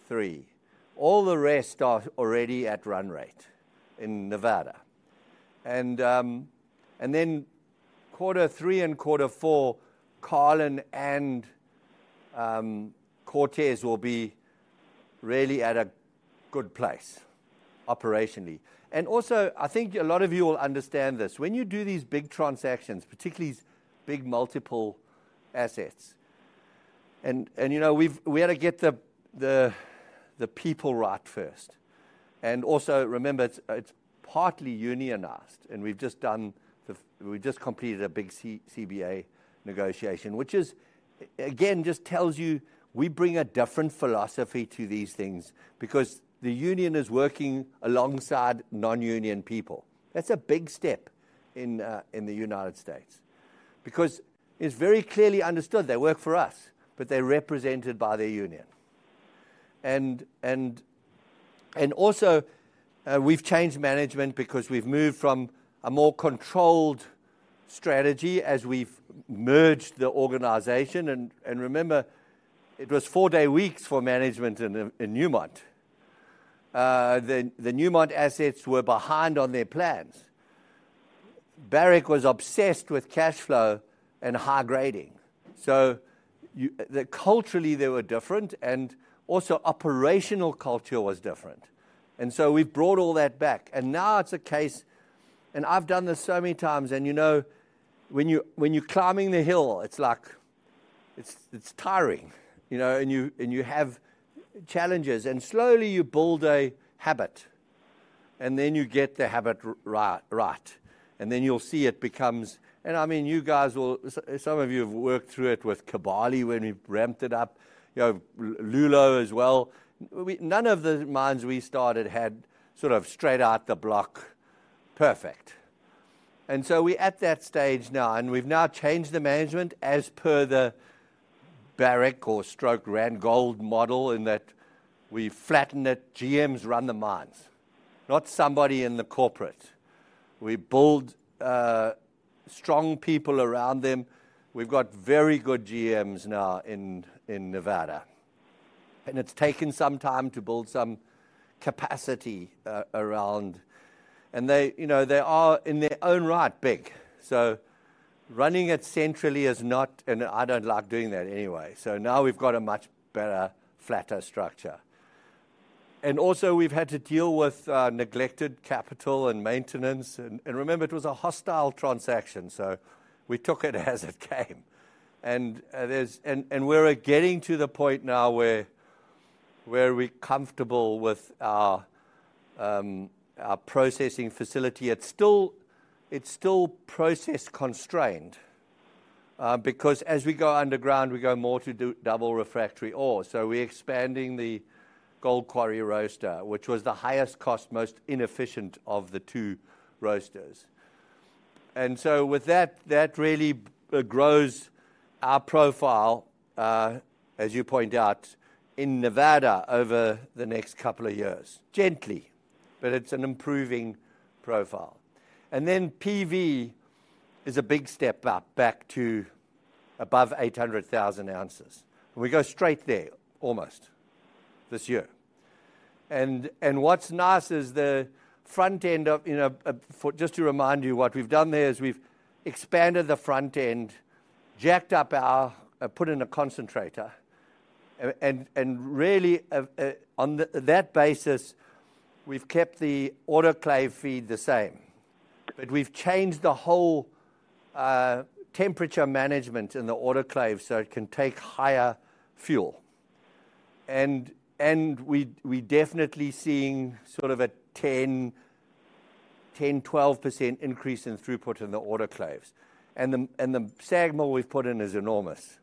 three. All the rest are already at run rate in Nevada. Then quarter three and quarter four, Carlin and Cortez will be really at a good place operationally. Also, I think a lot of you will understand this. When you do these big transactions, particularly these big multiple assets. You know, we had to get the people right first. Also remember, it's partly unionized. We just completed a big CBA negotiation, which is again, just tells you we bring a different philosophy to these things because the union is working alongside non-union people. That's a big step in the United States because it's very clearly understood they work for us, but they're represented by their union. Also, we've changed management because we've moved from a more controlled strategy as we've merged the organization. Remember, it was four-day weeks for management in Newmont. The Newmont assets were behind on their plans. Barrick was obsessed with cash flow and high grading. Culturally, they were different and also operational culture was different. We've brought all that back. Now it's a case, and I've done this so many times. You know, when you, when you're climbing the hill, it's like, it's tiring, you know, and you, and you have challenges, and slowly you build a habit, and then you get the habit right. Then you'll see it becomes... I mean, you guys will-- some of you have worked through it with Kibali when we ramped it up, you know, Loulo as well. None of the mines we started had sort of straight out the block perfect. We at that stage now, and we've now changed the management as per the Barrick or stroke Randgold model, in that we flatten it. GMs run the mines, not somebody in the corporate. We build strong people around them. We've got very good GMs now in Nevada, it's taken some time to build some capacity around. They, you know, they are in their own right, big. Running it centrally is not, and I don't like doing that anyway. Now we've got a much better, flatter structure. Also we've had to deal with neglected capital and maintenance, and remember it was a hostile transaction. We took it as it came. We're getting to the point now where we're comfortable with our processing facility. It's still process constrained because as we go underground, we go more to do double refractory ore. We're expanding the Gold Quarry roaster, which was the highest cost, most inefficient of the two roasters. With that really grows our profile, as you point out, in Nevada over the next couple of years. Gently, but it's an improving profile. Then PV is a big step up back to above 800,000 ounces. We go straight there almost this year. What's nice is the front end of, you know, for just to remind you what we've done there is we've expanded the front end, jacked up our, put in a concentrator. Really, on that basis, we've kept the autoclave feed the same. We've changed the whole temperature management in the autoclave, so it can take higher fuel. We're definitely seeing sort of a 10-12% increase in throughput in the autoclaves. The SAG mill we've put in is enormous.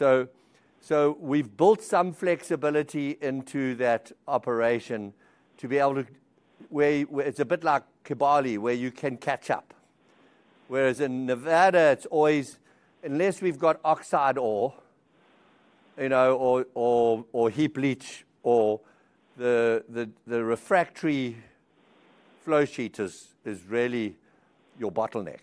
We've built some flexibility into that operation to be able to where it's a bit like Kibali, where you can catch up. Whereas in Nevada, it's always unless we've got oxide ore, you know, or heap leach or the refractory flow sheet is really your bottleneck.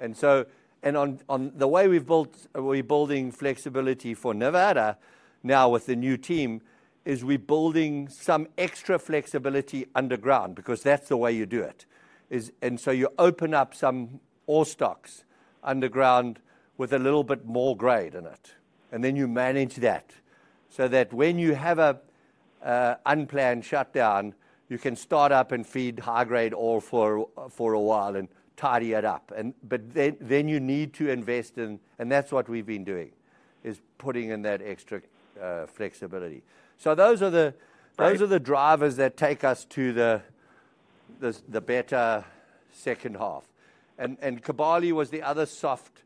On the way we've built-- we're building flexibility for Nevada now with the new team, is, we're building some extra flexibility underground because that's the way you do it is, you open up some ore stopes underground with a little bit more grade in it, and then you manage that so that when you have an unplanned shutdown, you can start up and feed high-grade ore for a while and tidy it up. Then, you need to invest in, and that's what we've been doing, is putting in that extra flexibility. Great. Those are the drivers that take us to the better second half. Kibali was the other soft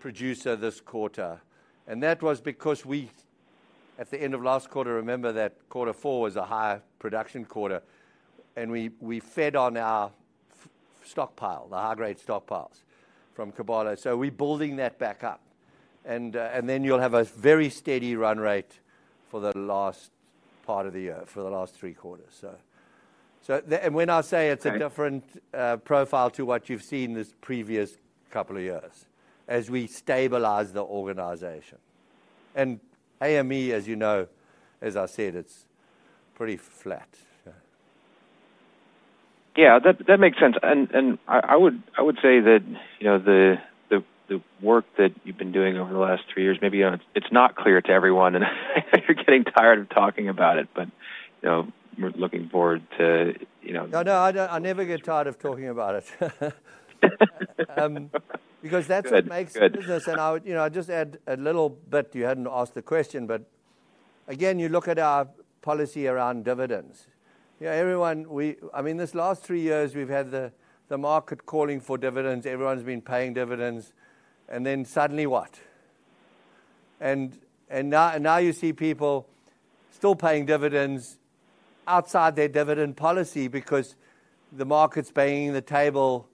producer this quarter. That was because we, at the end of last quarter, remember that quarter four was a higher production quarter, and we fed on our stockpile, the high-grade stockpiles from Kibali. We're building that back up. You'll have a very steady run rate for the last part of the year, for the last three quarters. When I say it's a different- Great. profile to what you've seen this previous couple of years as we stabilize the organization. AME, as you know, as I said, it's pretty flat. Yeah. Yeah, that makes sense. I would say that, you know, the work that you've been doing over the last three years, maybe it's not clear to everyone, and you're getting tired of talking about it, you know, we're looking forward to. No, no, I never get tired of talking about it. because that's what. Good. Good. the business. I would, you know, I'd just add a little bit, you hadn't asked the question, but again, you look at our policy around dividends. You know, everyone, I mean, this last three years, we've had the market calling for dividends. Everyone's been paying dividends. Then suddenly what? Now you see people still paying dividends outside their dividend policy because the market's banging the table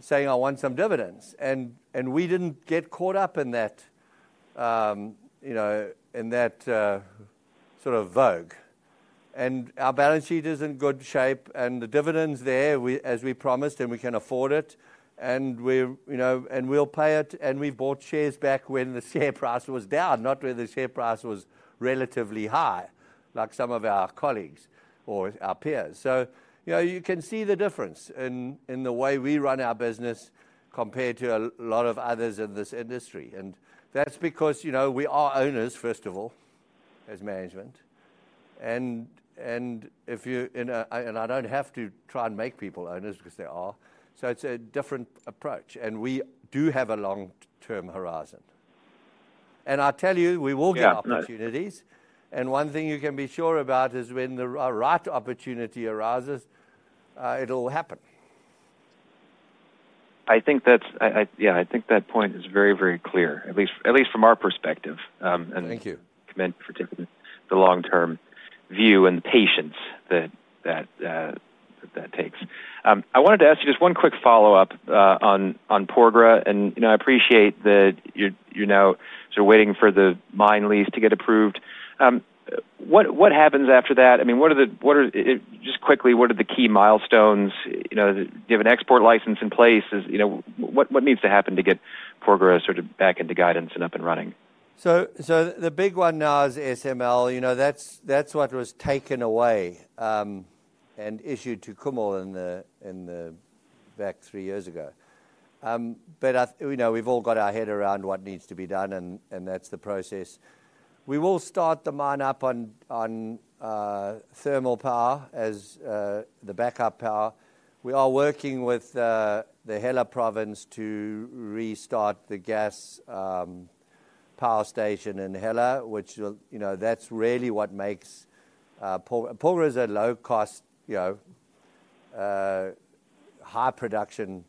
saying, "I want some dividends." We didn't get caught up in that, you know, in that sort of vogue. Our balance sheet is in good shape, and the dividend's there. As we promised, and we can afford it. We're, you know, and we'll pay it. We bought shares back when the share price was down, not when the share price was relatively high like some of our colleagues or our peers. You know, you can see the difference in the way we run our business compared to a lot of others in this industry. That's because, you know, we are owners, first of all, as management. I don't have to try and make people owners because they are. It's a different approach. We do have a long-term horizon. I tell you, we will get opportunities. Yeah. No. One thing you can be sure about is when the right opportunity arises, it'll happen. I think that's yeah, I think that point is very, very clear, at least from our perspective. Thank you. -commend for taking the long-term view and patience that takes. I wanted to ask you just one quick follow-up on Porgera. You know, I appreciate that you're, you know, sort of waiting for the mine lease to get approved. What happens after that? I mean, what are the just quickly, what are the key milestones, you know, you have an export license in place, is, you know, what needs to happen to get Porgera sort of back into guidance and up and running? The big one now is SML. You know, that's what was taken away and issued to Kumul back three years ago. You know, we've all got our head around what needs to be done and that's the process. We will start the mine up on thermal power as the backup power. We are working with the Hela province to restart the gas power station in Hela, which will, you know, that's really what makes Porgera is a low cost, you know, high production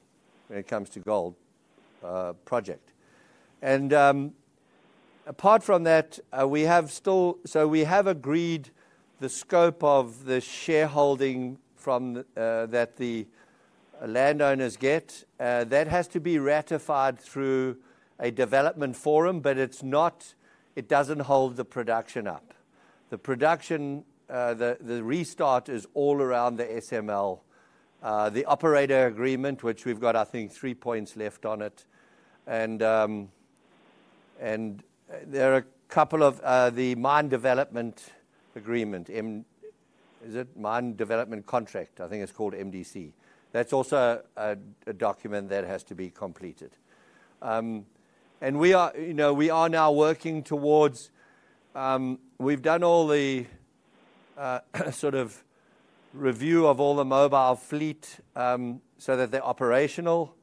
when it comes to gold project. Apart from that, we have agreed the scope of the shareholding that the landowners get. That has to be ratified through a development forum, but it doesn't hold the production up. The production, the restart is all around the SML. The operator agreement, which we've got, I think, three points left on it. There are a couple of the mine development agreement. Is it mine development contract? I think it's called MDC. That's also a document that has to be completed. We are, you know, we are now working towards. We've done all the sort of review of all the mobile fleet, so that they're operational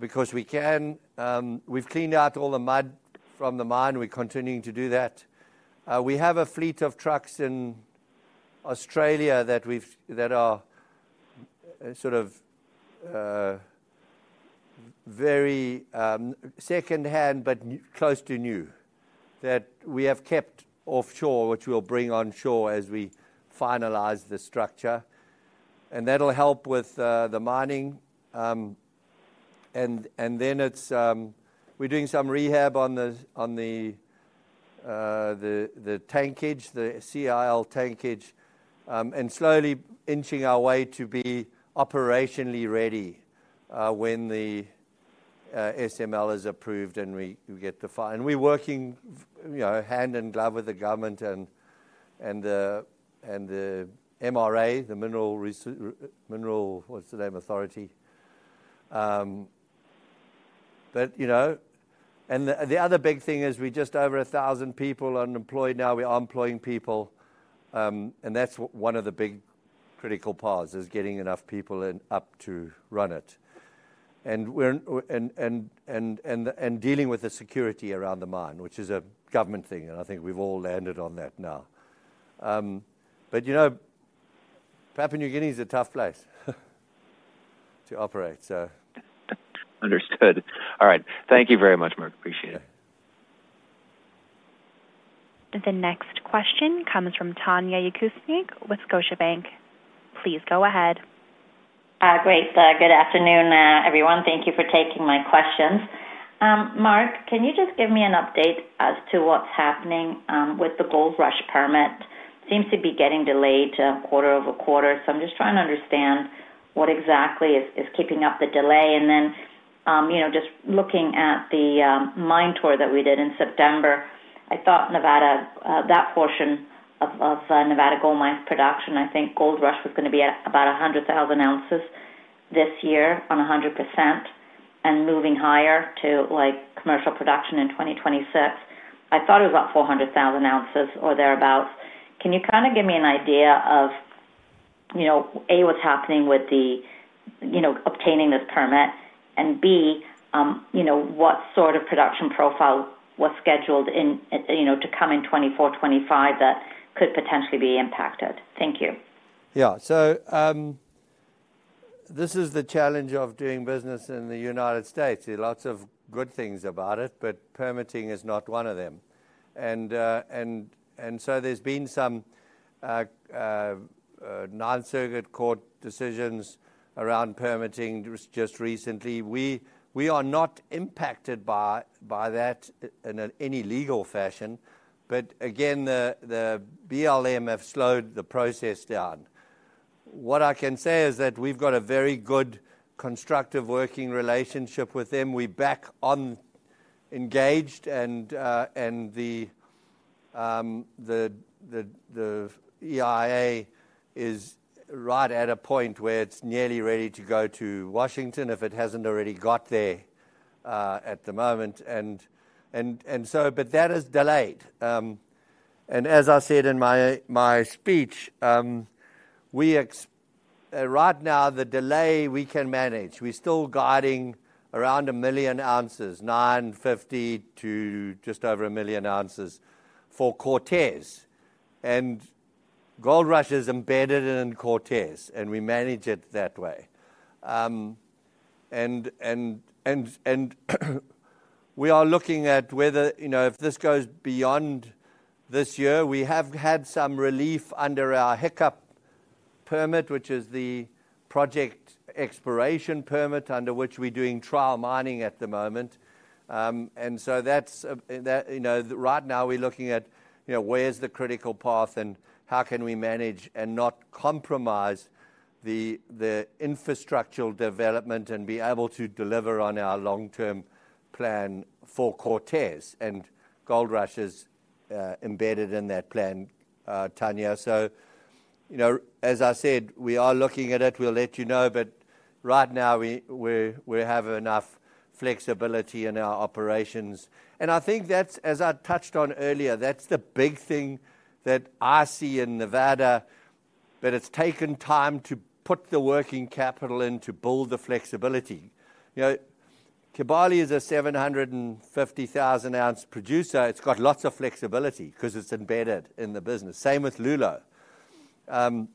because we can. We've cleaned out all the mud from the mine. We're continuing to do that. We have a fleet of trucks in Australia that are very secondhand but close to new that we have kept offshore, which we'll bring on shore as we finalize the structure. That'll help with the mining. We're doing some rehab on the CIL tankage and slowly inching our way to be operationally ready when the SML is approved and we're working, you know, hand in glove with the government and the MRA, the Mineral, what's the name? Authority. You know. The other big thing is we're just over 1,000 people unemployed now. We are employing people, and that's one of the big critical paths, is getting enough people up to run it. We're dealing with the security around the mine, which is a government thing, and I think we've all landed on that now. you know, Papua New Guinea is a tough place to operate, so. Understood. All right. Thank you very much, Mark. Appreciate it. The next question comes from Tanya Jakusconek with Scotiabank. Please go ahead. Great. Good afternoon, everyone. Thank you for taking my questions. Mark, can you just give me an update as to what's happening with the Goldrush permit? Seems to be getting delayed, quarter-over-quarter. I'm just trying to understand what exactly is keeping up the delay. You know, just looking at the mine tour that we did in September. I thought Nevada, that portion of Nevada Gold Mines production, I think Goldrush was gonna be at about 100,000 ounces this year on 100% and moving higher to, like, commercial production in 2026. I thought it was about 400,000 ounces or thereabout. Can you kinda give me an idea of, you know, A, what's happening with the, you know, obtaining this permit and, B, you know, what sort of production profile was scheduled in, you know, to come in 2024, 2025 that could potentially be impacted? Thank you. This is the challenge of doing business in the United States. There are lots of good things about it, but permitting is not one of them. There's been some Ninth Circuit Court decisions around permitting just recently. We are not impacted by that in any legal fashion. Again, the BLM have slowed the process down. What I can say is that we've got a very good, constructive working relationship with them. We're back on engaged and the EIA is right at a point where it's nearly ready to go to Washington, if it hasn't already got there at the moment. That is delayed. As I said in my speech, we right now, the delay we can manage. We're still guiding around 1 million ounces, 950,000 to just over 1 million ounces for Cortez. Goldrush is embedded in Cortez, and we manage it that way. We are looking at whether, you know, if this goes beyond this year. We have had some relief under our HICCUP permit, which is the project exploration permit under which we're doing trial mining at the moment. That's that, you know, right now we're looking at, you know, where's the critical path and how can we manage and not compromise the infrastructural development and be able to deliver on our long-term plan for Cortez. Goldrush is embedded in that plan, Tanya. You know, as I said, we are looking at it. We'll let you know. Right now, we have enough flexibility in our operations. I think that's, as I touched on earlier, that's the big thing that I see in Nevada, that it's taken time to put the working capital in to build the flexibility. You know, Kibali is a 750,000 ounce producer. It's got lots of flexibility 'cause it's embedded in the business. Same with Loulo.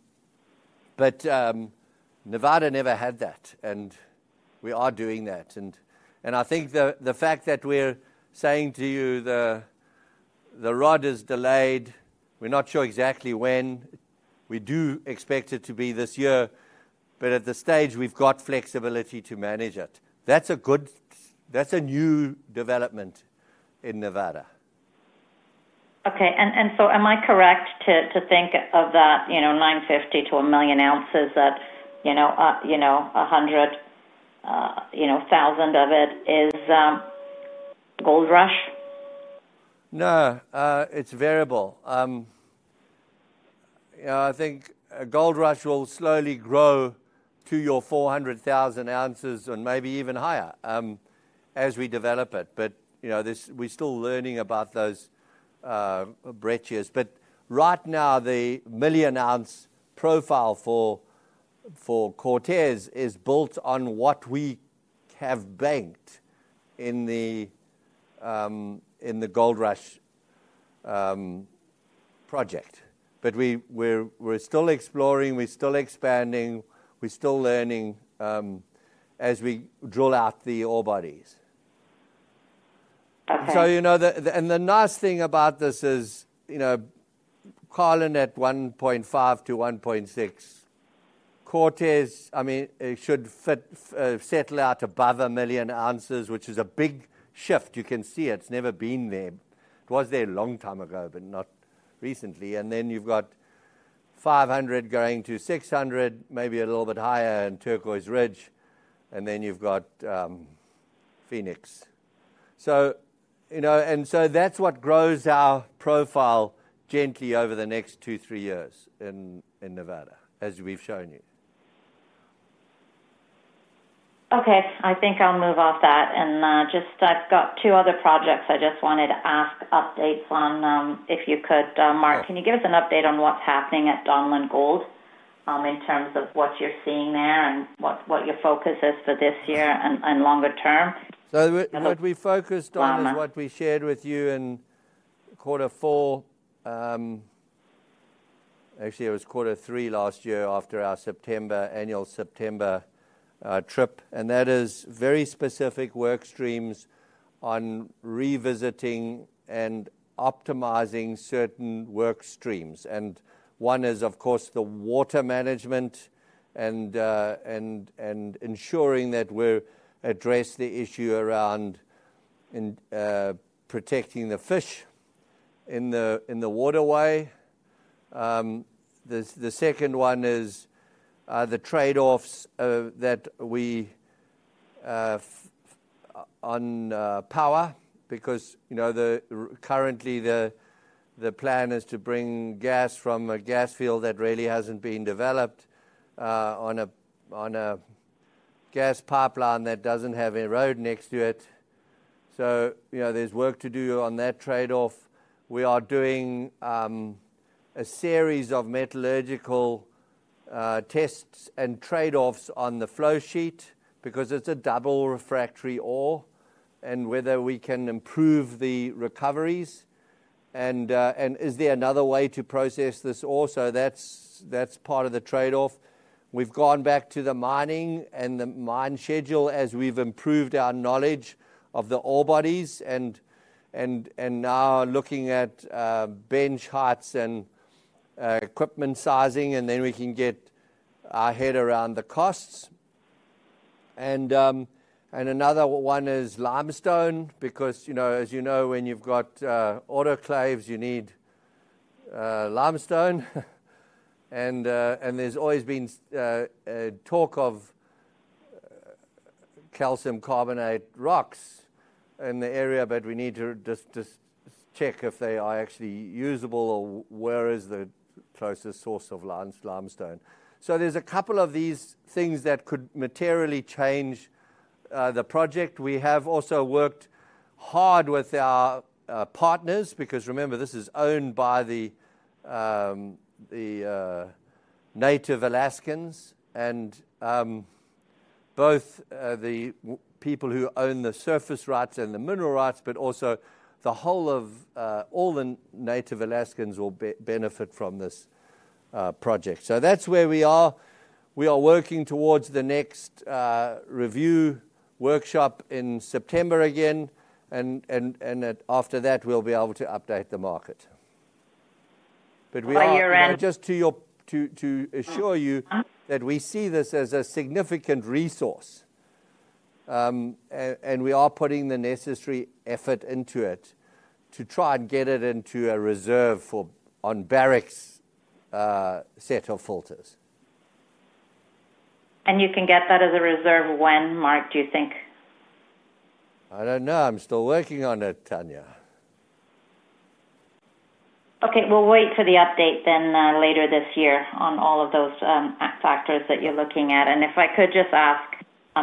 But Nevada never had that, and we are doing that. I think the fact that we're saying to you the ROD is delayed, we're not sure exactly when. We do expect it to be this year, but at this stage we've got flexibility to manage it. That's a new development in Nevada. Am I correct to think of that 950,000-1 million ounces at 100,000 of it is Gold Rush? No. It's variable. Yeah, I think, Gold Rush will slowly grow to your 400,000 ounces and maybe even higher, as we develop it. You know, we're still learning about those breccias. Right now, the million-ounce profile for Cortez is built on what we have banked in the Gold Rush project. We're still exploring, we're still expanding, we're still learning, as we drill out the ore bodies. Okay. You know the nice thing about this is, you know, Carlin at 1.5 million-1.6 million. Cortez, I mean, it should fit settle out above 1 million ounces, which is a big shift. You can see it's never been there. It was there a long time ago, but not recently. Then you've got 500,000 going to 600,000, maybe a little bit higher in Turquoise Ridge. Then you've got Phoenix. You know, that's what grows our profile gently over the next two to three years in Nevada, as we've shown you. Okay. I think I'll move off that and just I've got two other projects I just wanted to ask updates on, if you could, Mark. Sure. Can you give us an update on what's happening at Donlin Gold, in terms of what you're seeing there and what your focus is for this year and longer term? what we focused on- Pascua-Lama is what we shared with you in quarter four. Actually it was quarter three last year after our September, annual September trip. That is very specific work streams on revisiting and optimizing certain work streams. One is, of course, the water management and ensuring that we address the issue around protecting the fish in the waterway. The second one is the trade-offs that we on power because, you know, currently the plan is to bring gas from a gas field that really hasn't been developed on a gas pipeline that doesn't have a road next to it. You know, there's work to do on that trade-off. We are doing a series of metallurgical tests and trade-offs on the flow sheet because it's a double refractory ore, and whether we can improve the recoveries and is there another way to process this also? That's part of the trade-off. We've gone back to the mining and the mine schedule as we've improved our knowledge of the ore bodies and now looking at bench heights and equipment sizing, then we can get our head around the costs. Another one is limestone, because, you know, as you know, when you've got autoclaves, you need limestone. There's always been talk of calcium carbonate rocks in the area, but we need to just check if they are actually usable or where is the closest source of limestone. There's a couple of these things that could materially change the project. We have also worked hard with our partners because remember, this is owned by the native Alaskans and both people who own the surface rights and the mineral rights, but also the whole of all the native Alaskans will benefit from this project. That's where we are. We are working towards the next review workshop in September again. After that, we'll be able to update the market. We are- Are you around? Just to assure you. Uh-huh that we see this as a significant resource. We are putting the necessary effort into it to try and get it into a reserve on Barrick's set of filters. you can get that as a reserve when, Mark, do you think? I don't know. I'm still working on it, Tanya. Okay. We'll wait for the update then, later this year on all of those, factors that you're looking at. If I could just ask,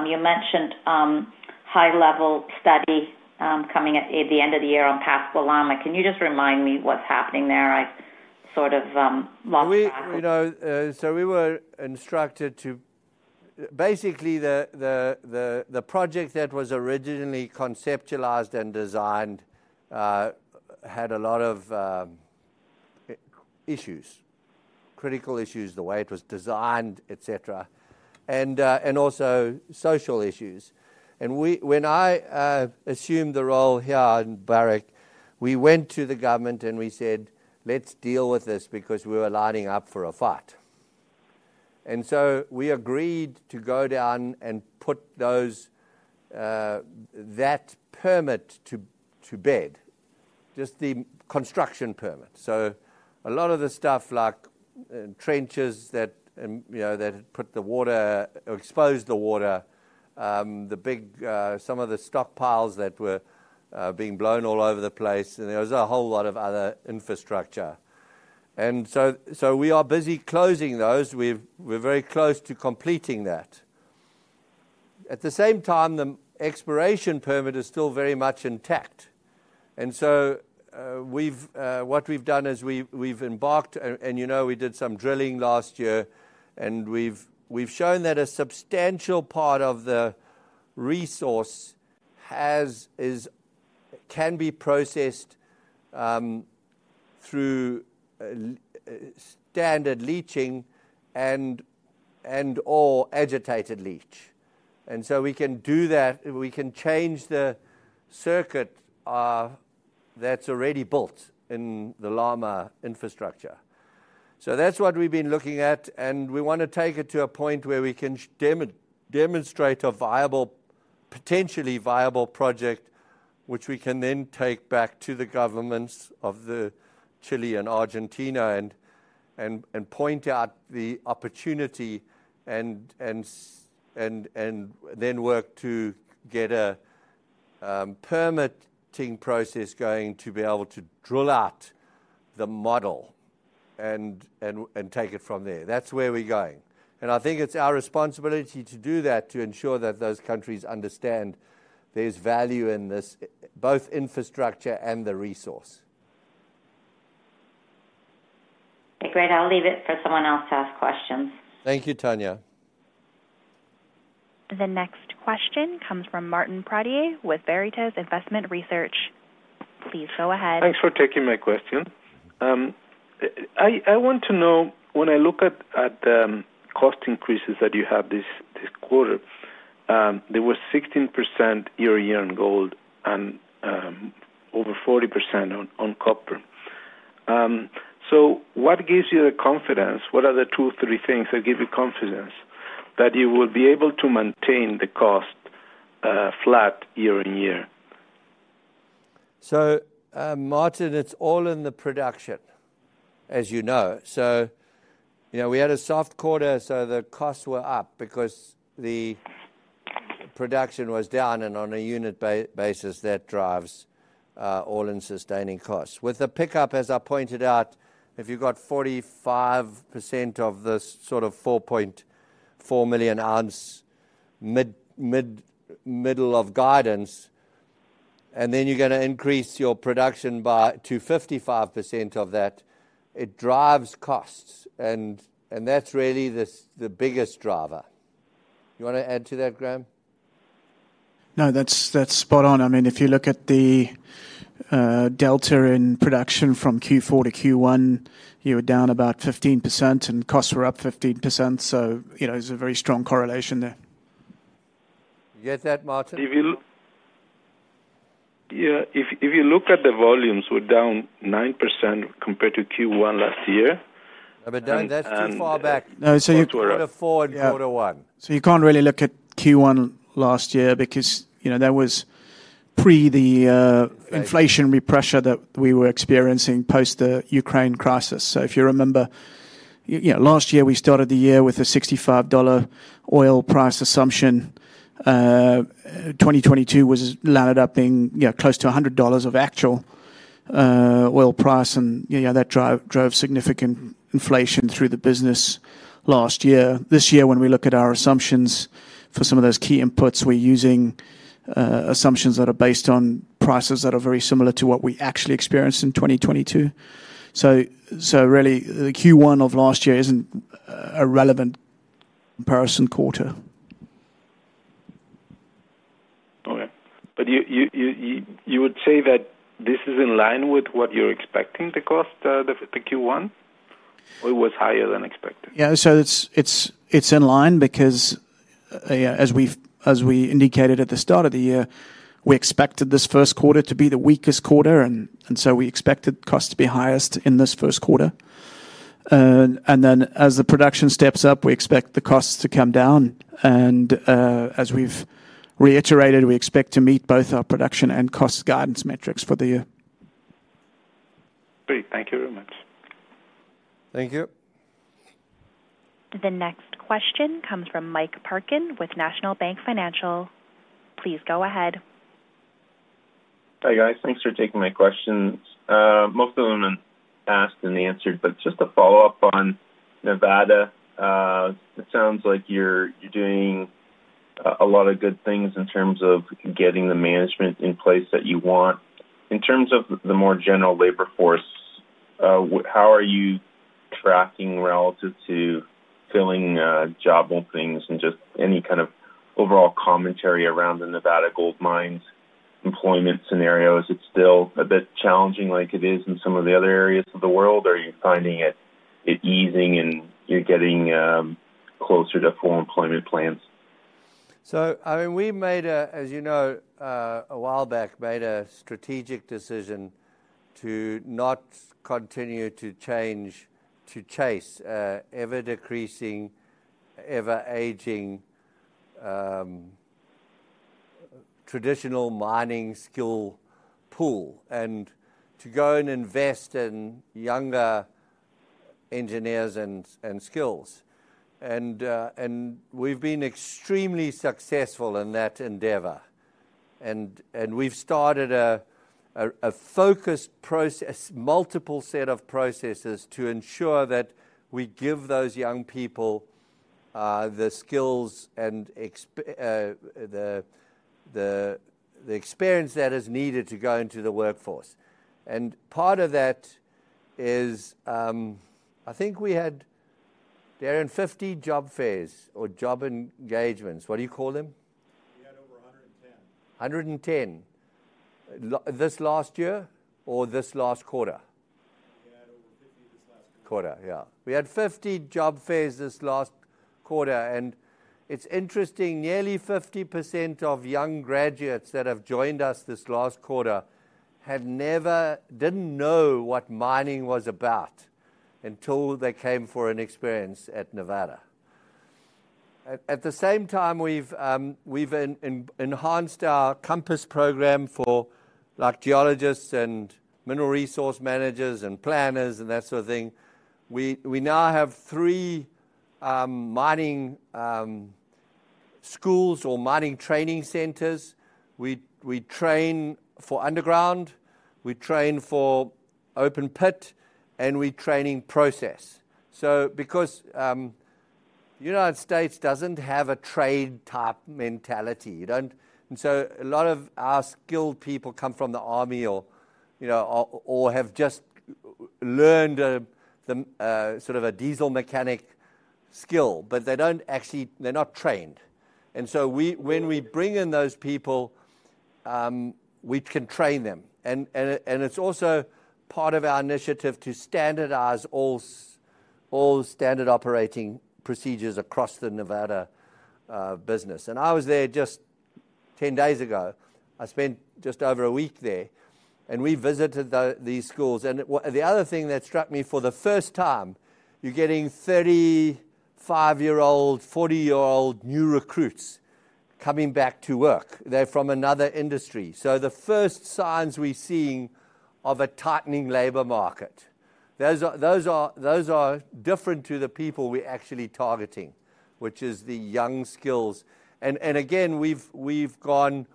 you mentioned, high-level study, coming at the end of the year on Pascua Lama. Can you just remind me what's happening there? I sort of, lost track. We, you know, we were instructed to... Basically, the project that was originally conceptualized and designed, had a lot of issues, critical issues, the way it was designed, etc. Also social issues. When I assumed the role here in Barrick, we went to the government, and we said, "Let's deal with this because we were lining up for a fight." We agreed to go down and put those that permit to bed, just the construction permit. A lot of the stuff like trenches that, you know, that put the water or exposed the water, the big, some of the stockpiles that were being blown all over the place, and there was a whole lot of other infrastructure. We are busy closing those. We're very close to completing that. At the same time, the exploration permit is still very much intact. We've what we've done is we've embarked and, you know, we did some drilling last year, and we've shown that a substantial part of the resource has can be processed through standard leaching and or agitated leach. We can do that. We can change the circuit that's already built in the Lama infrastructure. That's what we've been looking at, and we wanna take it to a point where we can demonstrate a viable, potentially viable project which we can then take back to the governments of Chile and Argentina and point out the opportunity and then work to get a permitting process going to be able to drill out the model and take it from there. That's where we're going. I think it's our responsibility to do that to ensure that those countries understand there's value in this, both infrastructure and the resource. Okay, great. I'll leave it for someone else to ask questions. Thank you, Tanya. The next question comes from Martin Pradier with Veritas Investment Research. Please go ahead. Thanks for taking my question. I want to know, when I look at cost increases that you have this quarter, there was 16% year-on-year in gold and over 40% on copper. What gives you the confidence? What are the two, three things that give you confidence that you will be able to maintain the cost flat year-on-year? Martin, it's all in the production, as you know. You know, we had a soft quarter, so the costs were up because the production was down and on a unit basis that drives all-in sustaining costs. With the pickup, as I pointed out, if you got 45% of this sort of 4.4 million ounce middle of guidance, then you're gonna increase your production by, to 55% of that, it drives costs. That's really the biggest driver. You wanna add to that, Graham? No, that's spot on. I mean, if you look at the delta in production from Q4 to Q1, you were down about 15% and costs were up 15%. You know, it's a very strong correlation there. You get that, Martin? Yeah, if you look at the volumes, we're down 9% compared to Q1 last year. That's too far back. No. Quarter four and quarter one. You can't really look at Q1 last year because, you know, that was pre the inflationary pressure that we were experiencing post the Ukraine crisis. If you remember, you know, last year we started the year with a $65 oil price assumption. 2022 landed up being, you know, close to $100 of actual oil price and, you know, that drove significant inflation through the business last year. This year when we look at our assumptions for some of those key inputs, we're using assumptions that are based on prices that are very similar to what we actually experienced in 2022. Really, the Q1 of last year isn't a relevant comparison quarter. Okay. You would say that this is in line with what you're expecting the cost, the Q1? Or it was higher than expected? Yeah. It's in line because, yeah, as we indicated at the start of the year, we expected this first quarter to be the weakest quarter, and so we expected costs to be highest in this first quarter. As the production steps up, we expect the costs to come down. As we've reiterated, we expect to meet both our production and cost guidance metrics for the year. Great. Thank you very much. Thank you. The next question comes from Mike Parkin with National Bank Financial. Please go ahead. Hi, guys. Thanks for taking my questions. Most of them have been asked and answered, just a follow-up on Nevada. It sounds like you're doing a lot of good things in terms of getting the management in place that you want. In terms of the more general labor force, how are you tracking relative to filling job openings and just any kind of overall commentary around the Nevada Gold Mines employment scenario, is it still a bit challenging like it is in some of the other areas of the world, or are you finding it easing and you're getting closer to full employment plans? We made a, as you know, a while back, made a strategic decision to not continue to change, to chase a ever-decreasing, ever-aging, traditional mining skill pool, and to go and invest in younger engineers and skills. We've been extremely successful in that endeavor. We've started a focused process, multiple set of processes to ensure that we give those young people the skills and experience that is needed to go into the workforce. Part of that is, I think we had... Darren, 50 job fairs or job engagements. What do you call them? We had over 110. 110. This last year or this last quarter? We had over 50 this last quarter. Quarter, yeah. We had 50 job fairs this last quarter, and it's interesting, nearly 50% of young graduates that have joined us this last quarter have never didn't know what mining was about until they came for an experience at Nevada. At the same time, we've enhanced our Compass program for like geologists and mineral resource managers and planners and that sort of thing. We now have three mining schools or mining training centers. We train for underground, we train for open pit, and we train in process. Because United States doesn't have a trade-type mentality, you don't. A lot of our skilled people come from the army or, you know, or have just learned sort of a diesel mechanic skill, but they're not trained. When we bring in those people, we can train them. It's also part of our initiative to standardize all standard operating procedures across the Nevada business. I was there just 10 days ago. I spent just over a week there, and we visited these schools. The other thing that struck me for the first time, you're getting 35-year-old, 40-year-old new recruits coming back to work. They're from another industry. The first signs we're seeing of a tightening labor market. Those are different to the people we're actually targeting, which is the young skills. Again, we've gone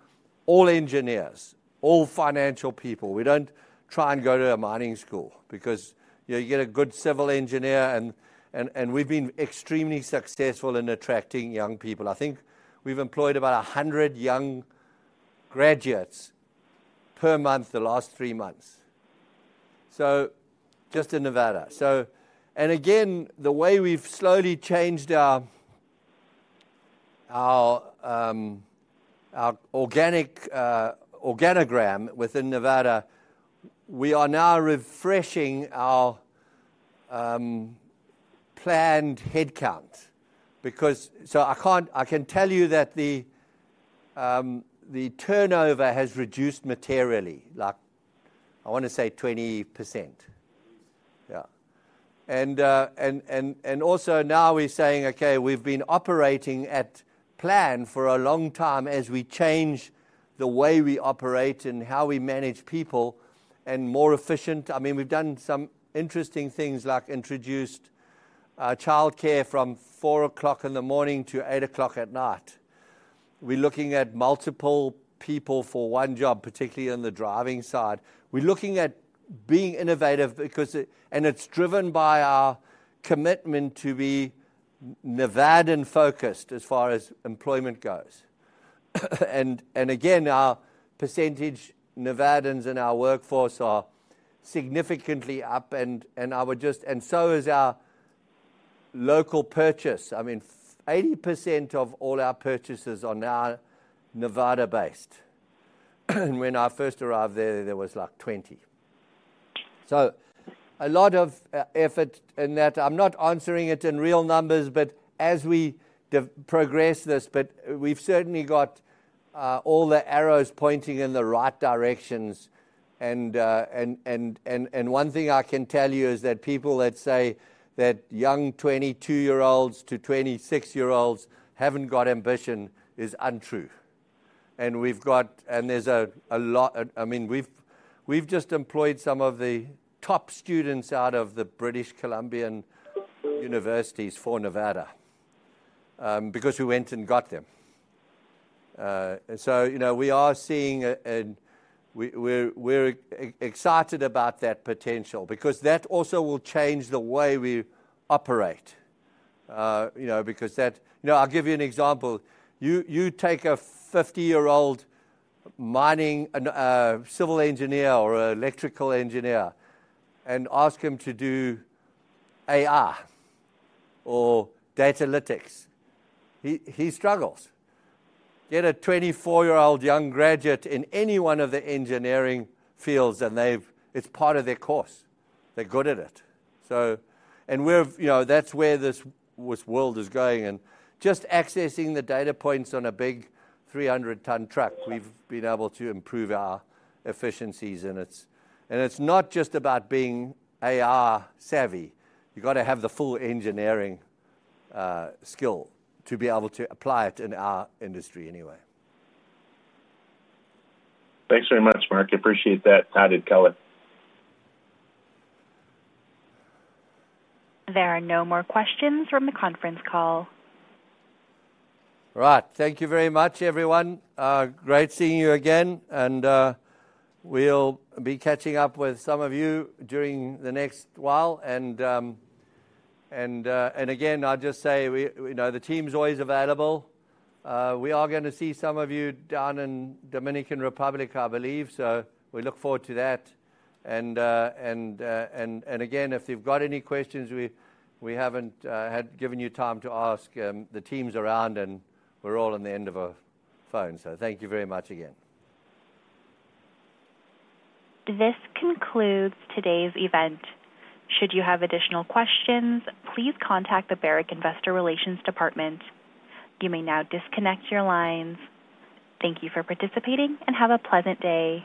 all engineers, all financial people. We don't try and go to a mining school because, you know, you get a good civil engineer and we've been extremely successful in attracting young people. I think we've employed about 100 young graduates per month the last three months, just in Nevada. Again, the way we've slowly changed our organic organigram within Nevada, we are now refreshing our planned headcount because. I can tell you that the turnover has reduced materially, like I wanna say 20%. At least. Yeah. Also now we're saying, 'Okay, we've been operating at plan for a long time as we change the way we operate and how we manage people and more efficient.' I mean, we've done some interesting things like introduced childcare from 4:00 A.M. in the morning to 8:00 P.M. at night. We're looking at multiple people for one job, particularly on the driving side. We're looking at being innovative because it's driven by our commitment to be Nevadan-focused as far as employment goes. Again, our percentage Nevadans in our workforce are significantly up and so is our local purchase. I mean, 80% of all our purchases are now Nevada-based. When I first arrived there was like 20. A lot of effort in that. I'm not answering it in real numbers, as we progress this, we've certainly got all the arrows pointing in the right directions. One thing I can tell you is that people that say that young 22-year-olds to 26-year-olds haven't got ambition is untrue. There's a lot. I mean, we've just employed some of the top students out of the British Columbian universities for Nevada because we went and got them. You know, we are seeing. We're excited about that potential because that also will change the way we operate. You know, I'll give you an example. You take a 50-year-old mining and civil engineer or electrical engineer and ask him to do AI or data analytics, he struggles. Get a 24-year-old young graduate in any one of the engineering fields, it's part of their course. They're good at it. We've, you know, that's where this world is going. Just accessing the data points on a big 300 ton truck, we've been able to improve our efficiencies and it's not just about being AI savvy. You've got to have the full engineering skill to be able to apply it in our industry anyway. Thanks very much, Mark. Appreciate that. How did Kelly? There are no more questions from the conference call. Right. Thank you very much, everyone. Great seeing you again, and we'll be catching up with some of you during the next while. Again, I'll just say we know the team's always available. We are gonna see some of you down in Dominican Republic, I believe, so we look forward to that. Again, if you've got any questions we haven't had given you time to ask, the team's around and we're all on the end of a phone. Thank you very much again. This concludes today's event. Should you have additional questions, please contact the Barrick Investor Relations department. You may now disconnect your lines. Thank you for participating, and have a pleasant day.